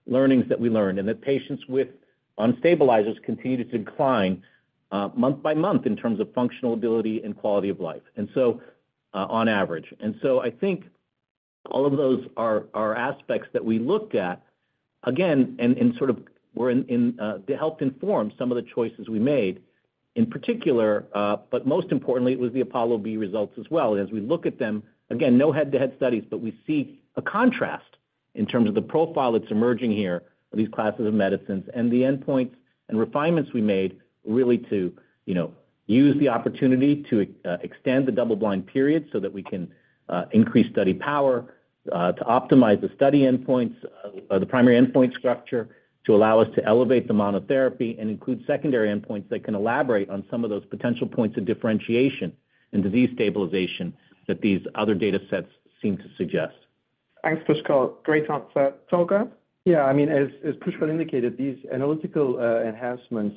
learnings that we learned and that patients without stabilizers continued to decline month by month in terms of functional ability and quality of life, and so on average. And so I think all of those are aspects that we looked at, again, and sort of helped inform some of the choices we made, in particular, but most importantly, it was the APOLLO-B results as well. And as we look at them, again, no head-to-head studies, but we see a contrast in terms of the profile that's emerging here of these classes of medicines and the endpoints and refinements we made really to use the opportunity to extend the double-blind period so that we can increase study power, to optimize the study endpoints, the primary endpoint structure, to allow us to elevate the monotherapy and include secondary endpoints that can elaborate on some of those potential points of differentiation and disease stabilization that these other datasets seem to suggest. Thanks, Pushkal. Great answer. Tolga? Yeah, I mean, as Pushkal indicated, these analytical enhancements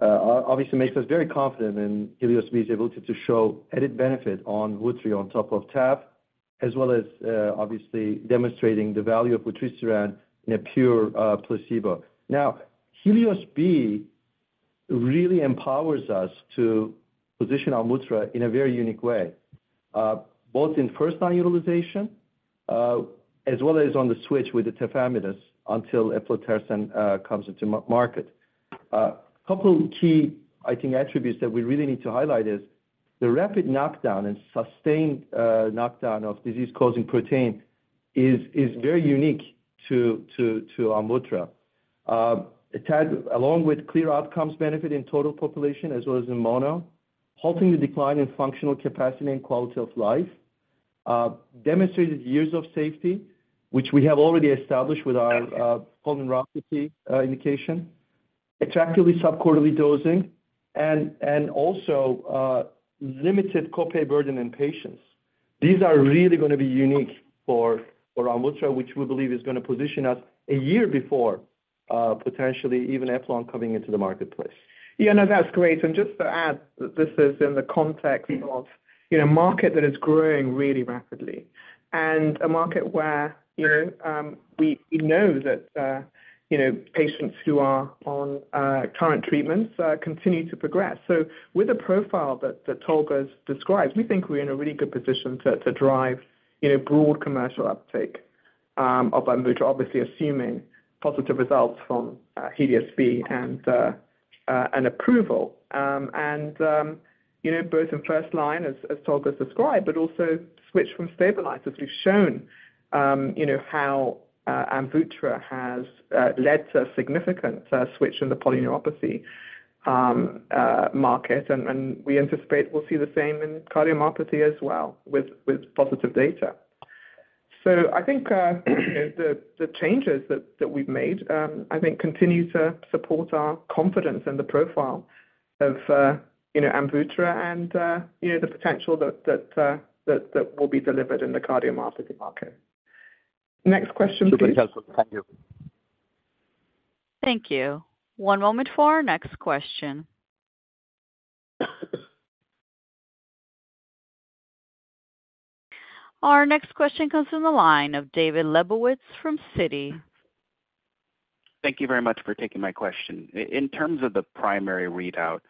obviously make us very confident in HELIOS-B's ability to show added benefit on vutri on top of TAF, as well as obviously demonstrating the value of vutrisiran in a pure placebo. Now, HELIOS-B really empowers us to position our AMVUTTRA in a very unique way, both in first-line utilization as well as on the switch with the tafamidis until eplontersen comes into market. A couple of key, I think, attributes that we really need to highlight is the rapid knockdown and sustained knockdown of disease-causing protein is very unique to our AMVUTTRA. It had, along with clear outcomes benefit in total population as well as in mono, halting the decline in functional capacity and quality of life, demonstrated years of safety, which we have already established with our cardiomyopathy indication, attractively sub-Q quarterly dosing, and also limited copay burden in patients. These are really going to be unique for our AMVUTTRA, which we believe is going to position us a year before potentially even eplon coming into the marketplace. Yeah, no, that's great. Just to add, this is in the context of a market that is growing really rapidly and a market where we know that patients who are on current treatments continue to progress. So with the profile that Tolga describes, we think we're in a really good position to drive broad commercial uptake of our AMVUTTRA, obviously assuming positive results from HELIOS-B and approval. And both in first line, as Tolga described, but also switch from stabilizers. We've shown how AMVUTTRA has led to a significant switch in the polyneuropathy market. And we anticipate we'll see the same in cardiomyopathy as well with positive data. So I think the changes that we've made, I think, continue to support our confidence in the profile of AMVUTTRA and the potential that will be delivered in the cardiomyopathy market. Next question, please. Super helpful. Thank you. Thank you. One moment for our next question. Our next question comes from the line of David Lebowitz from Citi. Thank you very much for taking my question. In terms of the primary readout,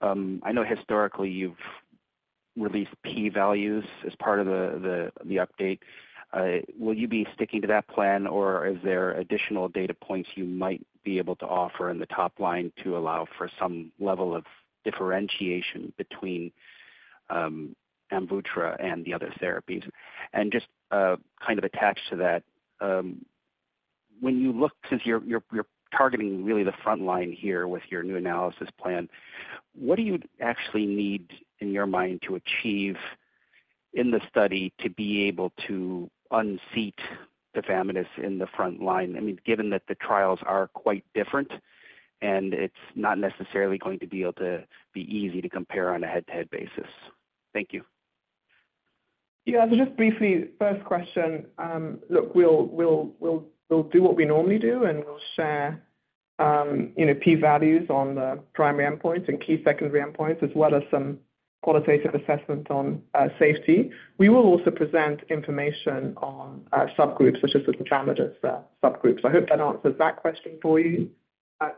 I know historically, you've released p-values as part of the update. Will you be sticking to that plan, or is there additional data points you might be able to offer in the top line to allow for some level of differentiation between AMVUTTRA and the other therapies? And just kind of attached to that, when you look since you're targeting really the front line here with your new analysis plan, what do you actually need in your mind to achieve in the study to be able to unseat tafamidis in the front line? I mean, given that the trials are quite different, and it's not necessarily going to be able to be easy to compare on a head-to-head basis. Thank you. Yeah, just briefly, first question, look, we'll do what we normally do, and we'll share p-values on the primary endpoints and key secondary endpoints as well as some qualitative assessment on safety. We will also present information on subgroups such as the tafamidis subgroups. I hope that answers that question for you,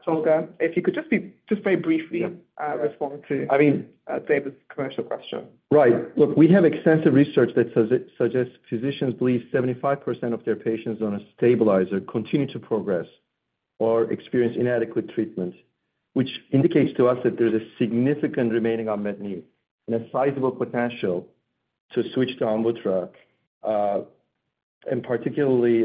Tolga. If you could just very briefly respond to David's commercial question. Right. Look, we have extensive research that suggests physicians believe 75% of their patients on a stabilizer continue to progress or experience inadequate treatment, which indicates to us that there's a significant remaining unmet need and a sizable potential to switch to AMVUTTRA, and particularly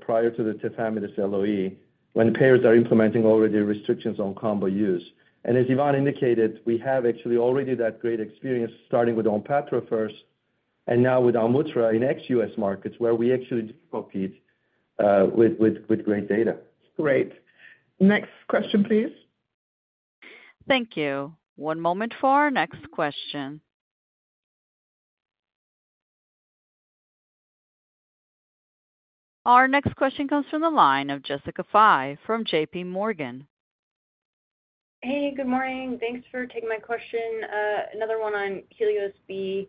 prior to the tafamidis LOE when payers are implementing already restrictions on combo use. And as Yvonne indicated, we have actually already that great experience starting with ONPATTRO first and now with AMVUTTRA in ex-US markets where we actually did compete with great data. Great. Next question, please. Thank you. One moment for our next question. Our next question comes from the line of Jessica Fye from J.P. Morgan. Hey, good morning. Thanks for taking my question. Another one on HELIOS-B.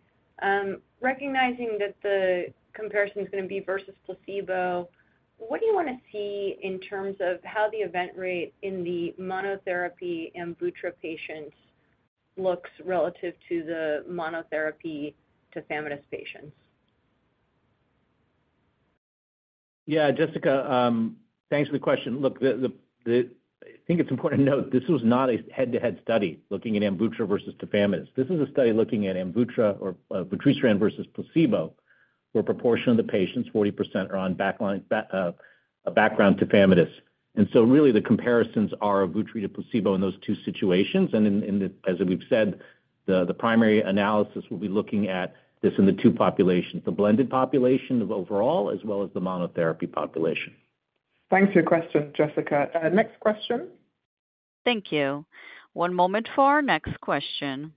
Recognizing that the comparison is going to be versus placebo, what do you want to see in terms of how the event rate in the monotherapy AMVUTTRA patients looks relative to the monotherapy tafamidis patients? Yeah, Jessica, thanks for the question. Look, I think it's important to note this was not a head-to-head study looking at AMVUTTRA versus tafamidis. This is a study looking at AMVUTTRA or vutrisiran versus placebo where a proportion of the patients, 40%, are on a background tafamidis. And so really, the comparisons are of vutri to placebo in those two situations. And as we've said, the primary analysis will be looking at this in the two populations, the blended population overall as well as the monotherapy population. Thanks for your question, Jessica. Next question. Thank you. One moment for our next question.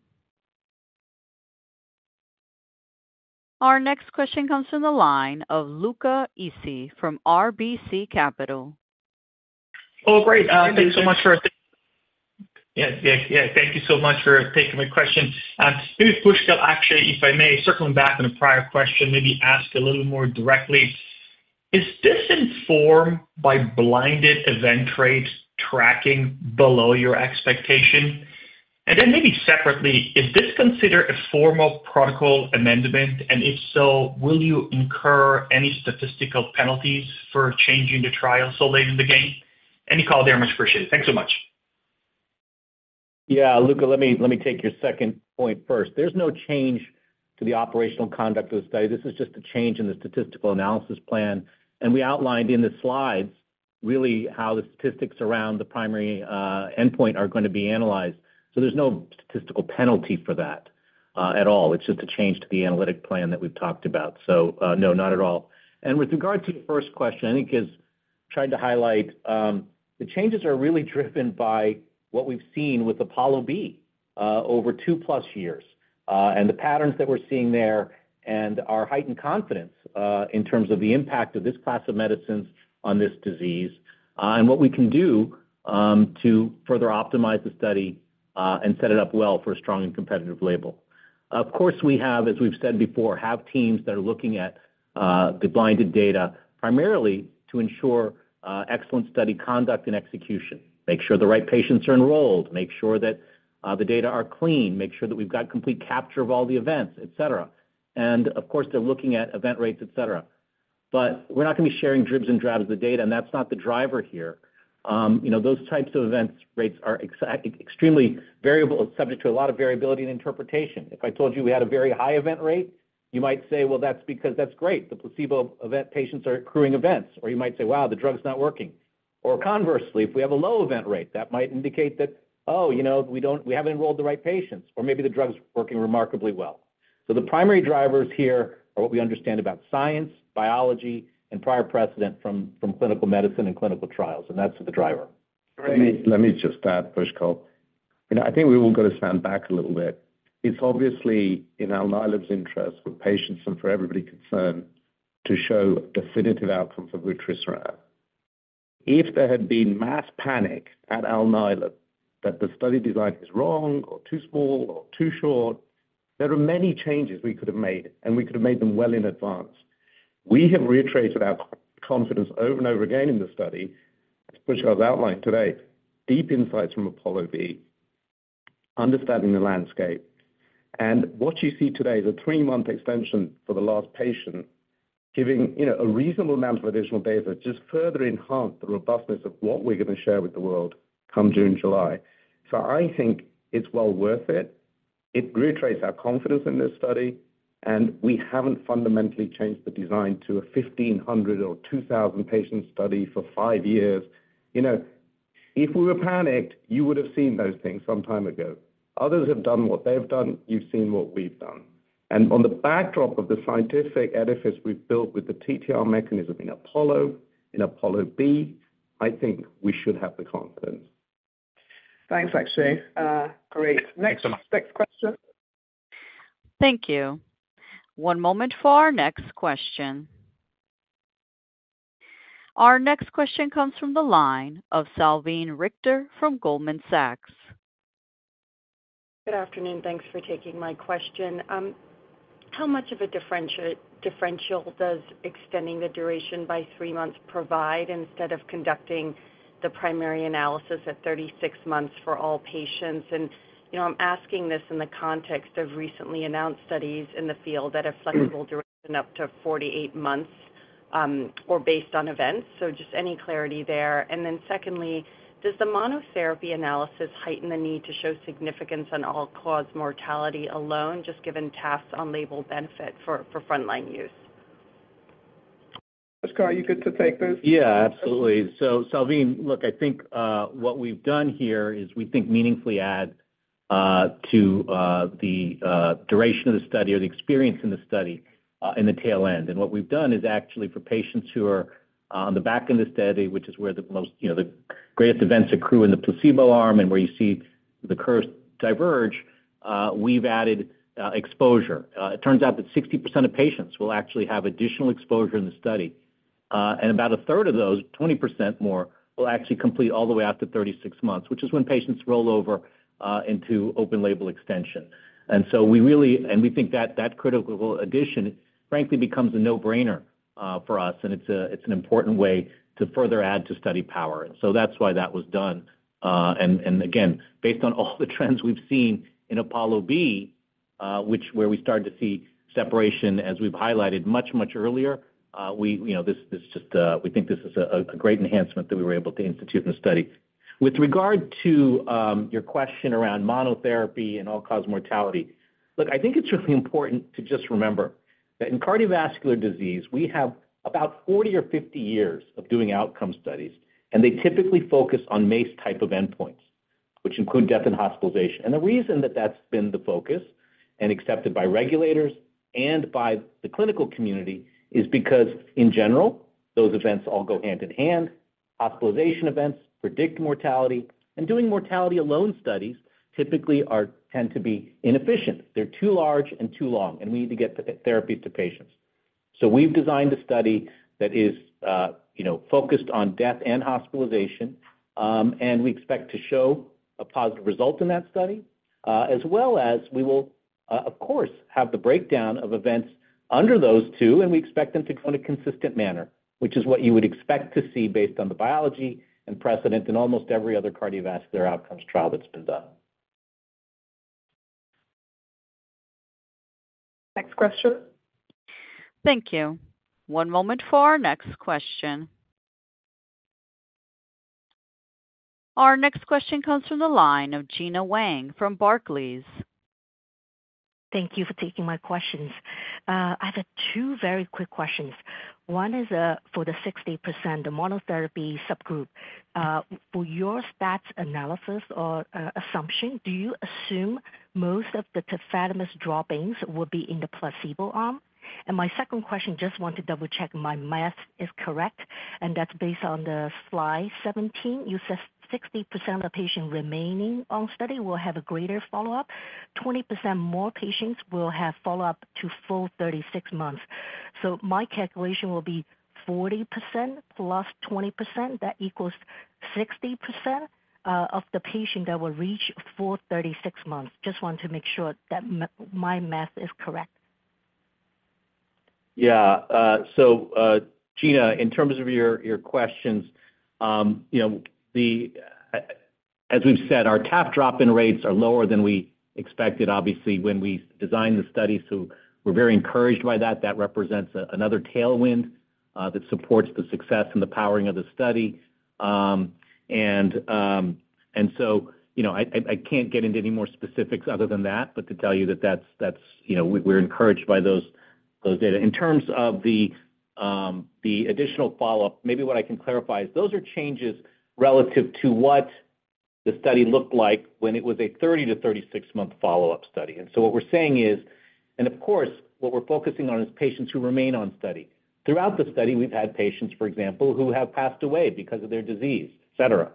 Our next question comes from the line of Luca Issi from RBC Capital. Oh, great. Thanks so much for taking my question. Yeah, yeah, yeah. Thank you so much for taking my question. Maybe, Pushkal, actually, if I may, circling back on a prior question, maybe ask a little more directly, is this informed by blinded event rate tracking below your expectation? And then maybe separately, is this considered a formal protocol amendment? And if so, will you incur any statistical penalties for changing the trial so late in the game? Any call there, much appreciated. Thanks so much. Yeah, Luca, let me take your second point first. There's no change to the operational conduct of the study. This is just a change in the statistical analysis plan. And we outlined in the slides really how the statistics around the primary endpoint are going to be analyzed. So there's no statistical penalty for that at all. It's just a change to the analytic plan that we've talked about. So no, not at all. And with regard to your first question, I think I tried to highlight the changes are really driven by what we've seen with APOLLO-B over two plus years and the patterns that we're seeing there and our heightened confidence in terms of the impact of this class of medicines on this disease and what we can do to further optimize the study and set it up well for a strong and competitive label. Of course, we have, as we've said before, teams that are looking at the blinded data primarily to ensure excellent study conduct and execution, make sure the right patients are enrolled, make sure that the data are clean, make sure that we've got complete capture of all the events, etc. And of course, they're looking at event rates, etc. But we're not going to be sharing dribs and drabs of the data, and that's not the driver here. Those types of event rates are extremely variable, subject to a lot of variability and interpretation. If I told you we had a very high event rate, you might say, "Well, that's because that's great. The placebo event patients are accruing events." Or you might say, "Wow, the drug's not working." Or conversely, if we have a low event rate, that might indicate that, "Oh, we haven't enrolled the right patients," or maybe the drug's working remarkably well. So the primary drivers here are what we understand about science, biology, and prior precedent from clinical medicine and clinical trials. And that's the driver. Great. Let me just add, Pushkal. I think we've got to stand back a little bit. It's obviously in Alnylam's interest for patients and for everybody concerned to show a definitive outcome for vutrisiran. If there had been mass panic at Alnylam that the study design is wrong or too small or too short, there are many changes we could have made, and we could have made them well in advance. We have reiterated our confidence over and over again in the study, as Pushkal's outlined today, deep insights from APOLLO-B, understanding the landscape. What you see today is a three-month extension for the last patient, giving a reasonable amount of additional data to just further enhance the robustness of what we're going to share with the world come June, July. I think it's well worth it. It reiterates our confidence in this study. We haven't fundamentally changed the design to a 1,500- or 2,000-patient study for five years. If we were panicked, you would have seen those things some time ago. Others have done what they've done. You've seen what we've done. And on the backdrop of the scientific edifice we've built with the TTR mechanism in APOLLO, in APOLLO-B, I think we should have the confidence. Thanks, Akshay. Great. Next question.. Thank you. One moment for our next question. Our next question comes from the line of Salveen Richter from Goldman Sachs. Good afternoon. Thanks for taking my question. How much of a differential does extending the duration by three months provide instead of conducting the primary analysis at 36 months for all patients? And I'm asking this in the context of recently announced studies in the field that have flexible duration up to 48 months or based on events. So just any clarity there. And then secondly, does the monotherapy analysis heighten the need to show significance on all-cause mortality alone, just given TAF's unlabeled benefit for frontline use? Pushkal, are you good to take this? Yeah, absolutely. So Salveen, look, I think what we've done here is we think meaningfully add to the duration of the study or the experience in the study in the tail end. And what we've done is actually for patients who are on the back end of the study, which is where the greatest events accrue in the placebo arm and where you see the curves diverge, we've added exposure. It turns out that 60% of patients will actually have additional exposure in the study. And about a 1/3 of those, 20% more, will actually complete all the way out to 36 months, which is when patients roll over into open-label extension. And so we think that critical addition, frankly, becomes a no-brainer for us. And it's an important way to further add to study power. And so that's why that was done. And again, based on all the trends we've seen in APOLLO-B, where we started to see separation, as we've highlighted much, much earlier, this is just we think this is a great enhancement that we were able to institute in the study. With regard to your question around monotherapy and all-cause mortality, look, I think it's really important to just remember that in cardiovascular disease, we have about 40 or 50 years of doing outcome studies. And they typically focus on MACE type of endpoints, which include death and hospitalization. And the reason that that's been the focus and accepted by regulators and by the clinical community is because, in general, those events all go hand in hand. Hospitalization events predict mortality. Doing mortality-alone studies typically tend to be inefficient. They're too large and too long, and we need to get therapies to patients. We've designed a study that is focused on death and hospitalization. We expect to show a positive result in that study, as well as we will, of course, have the breakdown of events under those two, and we expect them to go in a consistent manner, which is what you would expect to see based on the biology and precedent in almost every other cardiovascular outcomes trial that's been done. Next question. Thank you. One moment for our next question. Our next question comes from the line of Gena Wang from Barclays. Thank you for taking my questions. I have two very quick questions. One is for the 60%, the monotherapy subgroup. For your stats analysis or assumption, do you assume most of the tafamidis dropouts will be in the placebo arm? My second question, just want to double-check, my math is correct. And that's based on the slide 17. You said 60% of the patients remaining on study will have a greater follow-up. 20% more patients will have follow-up to full 36 months. So my calculation will be 40% + 20%. That equals 60% of the patients that will reach full 36 months. Just want to make sure that my math is correct. Yeah. So Gena, in terms of your questions, as we've said, our TAF dropout rates are lower than we expected, obviously, when we designed the study. So we're very encouraged by that. That represents another tailwind that supports the success and the powering of the study. And so I can't get into any more specifics other than that, but to tell you that we're encouraged by those data. In terms of the additional follow-up, maybe what I can clarify is those are changes relative to what the study looked like when it was a 30- to 36-month follow-up study. And so what we're saying is and of course, what we're focusing on is patients who remain on study. Throughout the study, we've had patients, for example, who have passed away because of their disease, etc.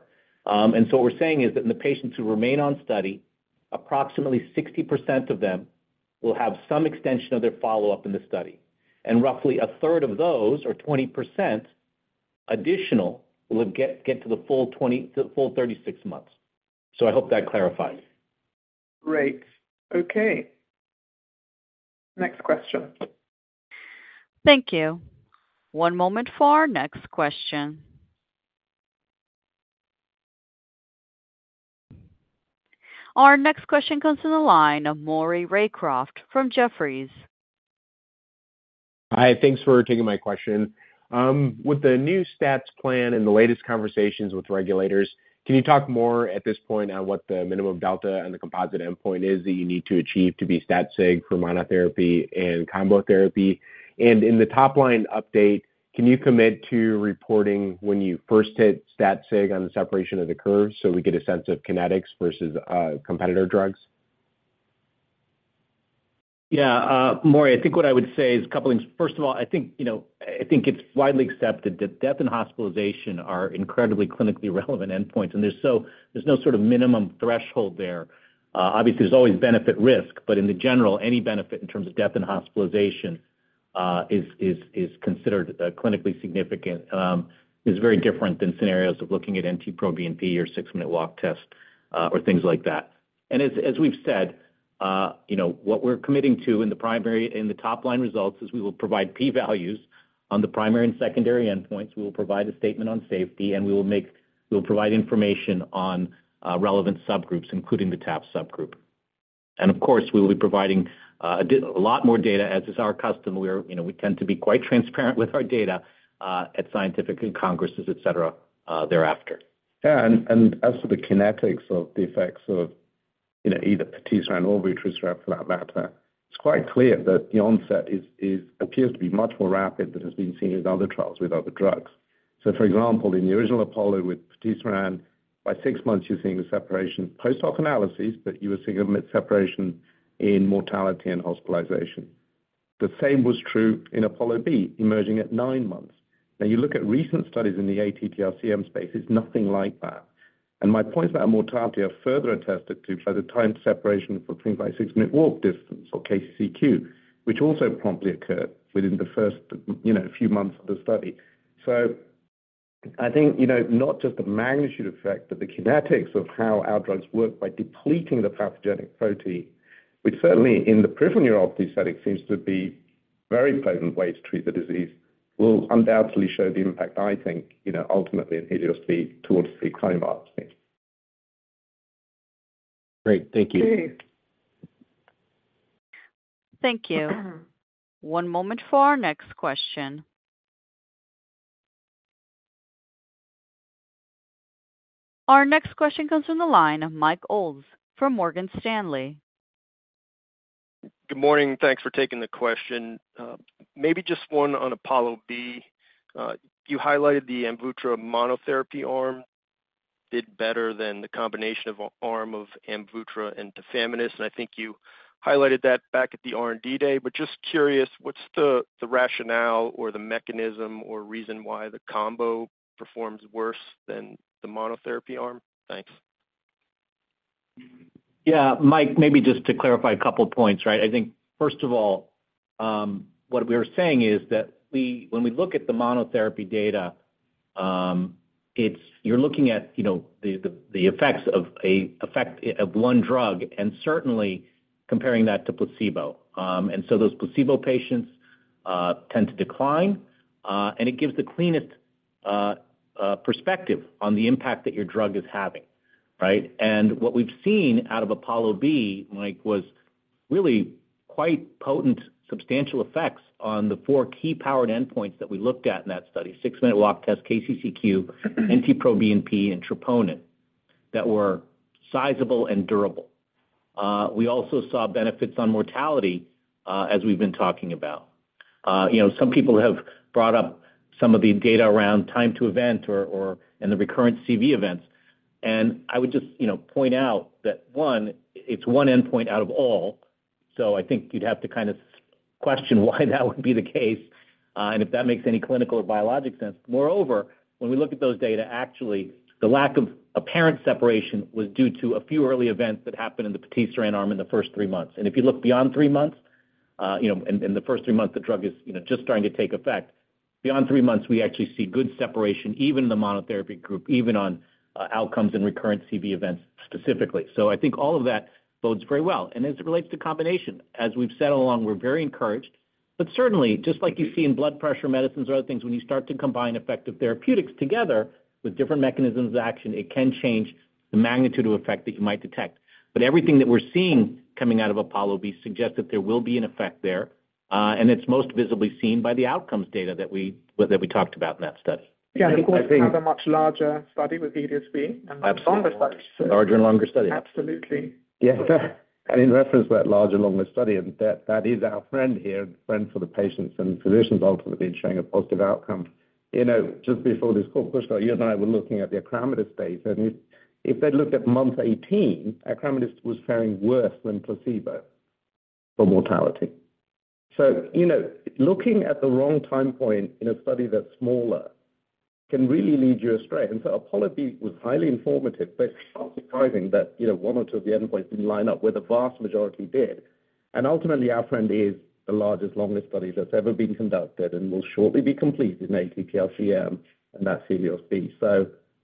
And so what we're saying is that in the patients who remain on study, approximately 60% of them will have some extension of their follow-up in the study. And roughly a 1/3 of those, or 20% additional, will get to the full 36 months. So I hope that clarifies. Great. Okay. Next question. Thank you. One moment for our next question. Our next question comes from the line of Maury Raycroft from Jefferies. Hi. Thanks for taking my question. With the new stats plan and the latest conversations with regulators, can you talk more at this point on what the minimum delta and the composite endpoint is that you need to achieve to be stat-sig for monotherapy and combo therapy? And in the topline update, can you commit to reporting when you first hit stat-sig on the separation of the curve so we get a sense of kinetics versus competitor drugs? Yeah. Maury, I think what I would say is a couple of things. First of all, I think it's widely accepted that death and hospitalization are incredibly clinically relevant endpoints. And there's no sort of minimum threshold there. Obviously, there's always benefit-risk. But in general, any benefit in terms of death and hospitalization is considered clinically significant. It's very different than scenarios of looking at NT-proBNP or six-minute walk test or things like that. As we've said, what we're committing to in the topline results is we will provide p-values on the primary and secondary endpoints. We will provide a statement on safety, and we will provide information on relevant subgroups, including the TAF subgroup. Of course, we will be providing a lot more data. As is our custom, we tend to be quite transparent with our data at scientific congresses, etc., thereafter. Yeah. As for the kinetics of the effects of either patisiran or vutrisiran, for that matter, it's quite clear that the onset appears to be much more rapid than has been seen with other trials, with other drugs. So for example, in the original APOLLO with patisiran, by six months, you're seeing the separation post-hoc analysis, but you were seeing a separation in mortality and hospitalization. The same was true in APOLLO-B, emerging at nine months. Now, you look at recent studies in the ATTR-CM space, it's nothing like that. And my point is that mortality are further attested to by the time separation for things like six-minute walk distance or KCCQ, which also promptly occurred within the first few months of the study. So I think not just the magnitude effect, but the kinetics of how our drugs work by depleting the pathogenic protein, which certainly in the peripheral neuropathy setting seems to be very potent ways to treat the disease, will undoubtedly show the impact, I think, ultimately in HELIOS-B towards the cardiomyopathy. Great. Thank you. Thank you. One moment for our next question. Our next question comes from the line of Mike Ulz from Morgan Stanley. Good morning. Thanks for taking the question. Maybe just one on APOLLO-B. You highlighted the AMVUTTRA monotherapy arm did better than the combination arm of AMVUTTRA and tafamidis. And I think you highlighted that back at the R&D day. But just curious, what's the rationale or the mechanism or reason why the combo performs worse than the monotherapy arm? Thanks. Yeah. Mike, maybe just to clarify a couple of points, right? I think, first of all, what we were saying is that when we look at the monotherapy data, you're looking at the effects of one drug and certainly comparing that to placebo. And so those placebo patients tend to decline. And it gives the cleanest perspective on the impact that your drug is having, right? And what we've seen out of APOLLO-B, Mike, was really quite potent, substantial effects on the four key powered endpoints that we looked at in that study, six-minute walk test, KCCQ, NT-proBNP, and troponin, that were sizable and durable. We also saw benefits on mortality, as we've been talking about. Some people have brought up some of the data around time to event or in the recurrent CV events. And I would just point out that, one, it's one endpoint out of all. So I think you'd have to kind of question why that would be the case and if that makes any clinical or biologic sense. Moreover, when we look at those data, actually, the lack of apparent separation was due to a few early events that happened in the patisiran arm in the first 3 months. If you look beyond three months in the first three months, the drug is just starting to take effect. Beyond three months, we actually see good separation, even in the monotherapy group, even on outcomes and recurrent CV events specifically. So I think all of that bodes very well. And as it relates to combination, as we've said all along, we're very encouraged. But certainly, just like you see in blood pressure medicines or other things, when you start to combine effective therapeutics together with different mechanisms of action, it can change the magnitude of effect that you might detect. But everything that we're seeing coming out of APOLLO-B suggests that there will be an effect there. And it's most visibly seen by the outcomes data that we talked about in that study. Yeah. And of course, we have a much larger study with HELIOS-B and much longer study. Larger and longer study. Absolutely. Yeah. In reference to that larger and longer study, that is our friend here, the friend for the patients and physicians ultimately showing a positive outcome. Just before this call, Pushkal, you and I were looking at the tafamidis data. If they'd looked at month 18, tafamidis was faring worse than placebo for mortality. Looking at the wrong time point in a study that's smaller can really lead you astray. Apollo-B was highly informative. It's not surprising that one or two of the endpoints didn't line up, where the vast majority did. Ultimately, our friend is the largest, longest study that's ever been conducted and will shortly be completed in ATTR-CM, and that's HELIOS-B.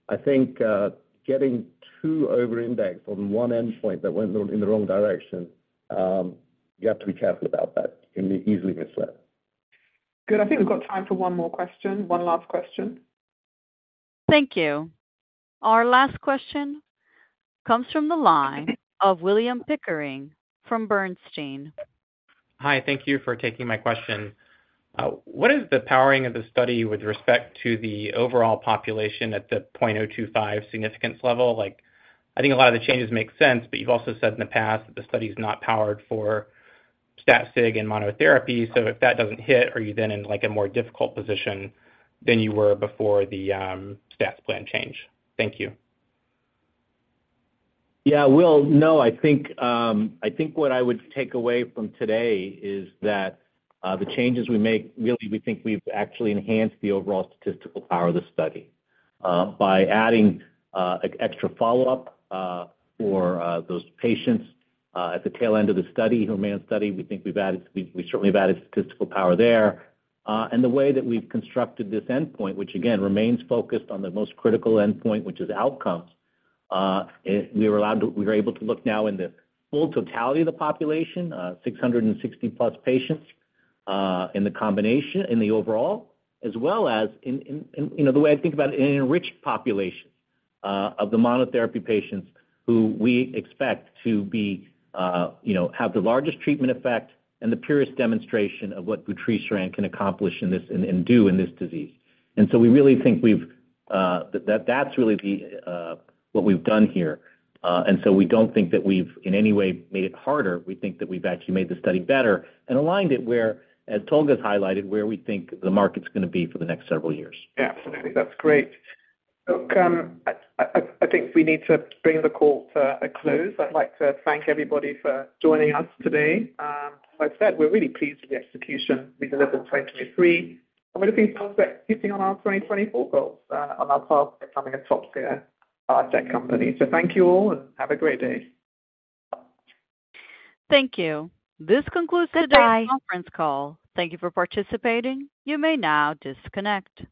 I think getting too over-indexed on one endpoint that went in the wrong direction, you have to be careful about that. You can be easily misled. Good. I think we've got time for one more question, one last question. Thank you. Our last question comes from the line of William Pickering from Bernstein. Hi. Thank you for taking my question. What is the powering of the study with respect to the overall population at the 0.025 significance level? I think a lot of the changes make sense, but you've also said in the past that the study is not powered for stat-sig and monotherapy. So if that doesn't hit, are you then in a more difficult position than you were before the stats plan change? Thank you. Yeah. Well, no. I think what I would take away from today is that the changes we make, really, we think we've actually enhanced the overall statistical power of the study by adding extra follow-up for those patients at the tail end of the study, who remain in the study. We think we've added we certainly have added statistical power there. The way that we've constructed this endpoint, which again remains focused on the most critical endpoint, which is outcomes, we were allowed to we were able to look now in the full totality of the population, 660+ patients in the combination, in the overall, as well as in the way I think about it, in enriched populations of the monotherapy patients who we expect to have the largest treatment effect and the purest demonstration of what patisiran can accomplish and do in this disease. And so we really think that's really what we've done here. And so we don't think that we've in any way made it harder. We think that we've actually made the study better and aligned it where, as Tolga's highlighted, where we think the market's going to be for the next several years. Absolutely. That's great. Look, I think we need to bring the call to a close. I'd like to thank everybody for joining us today. As I said, we're really pleased with the execution we delivered in 2023. And we're looking forward to executing on our 2024 goals, on our path to becoming a top-tier biotech company. So thank you all, and have a great day. Thank you. This concludes today's conference call. Thank you for participating. You may now disconnect.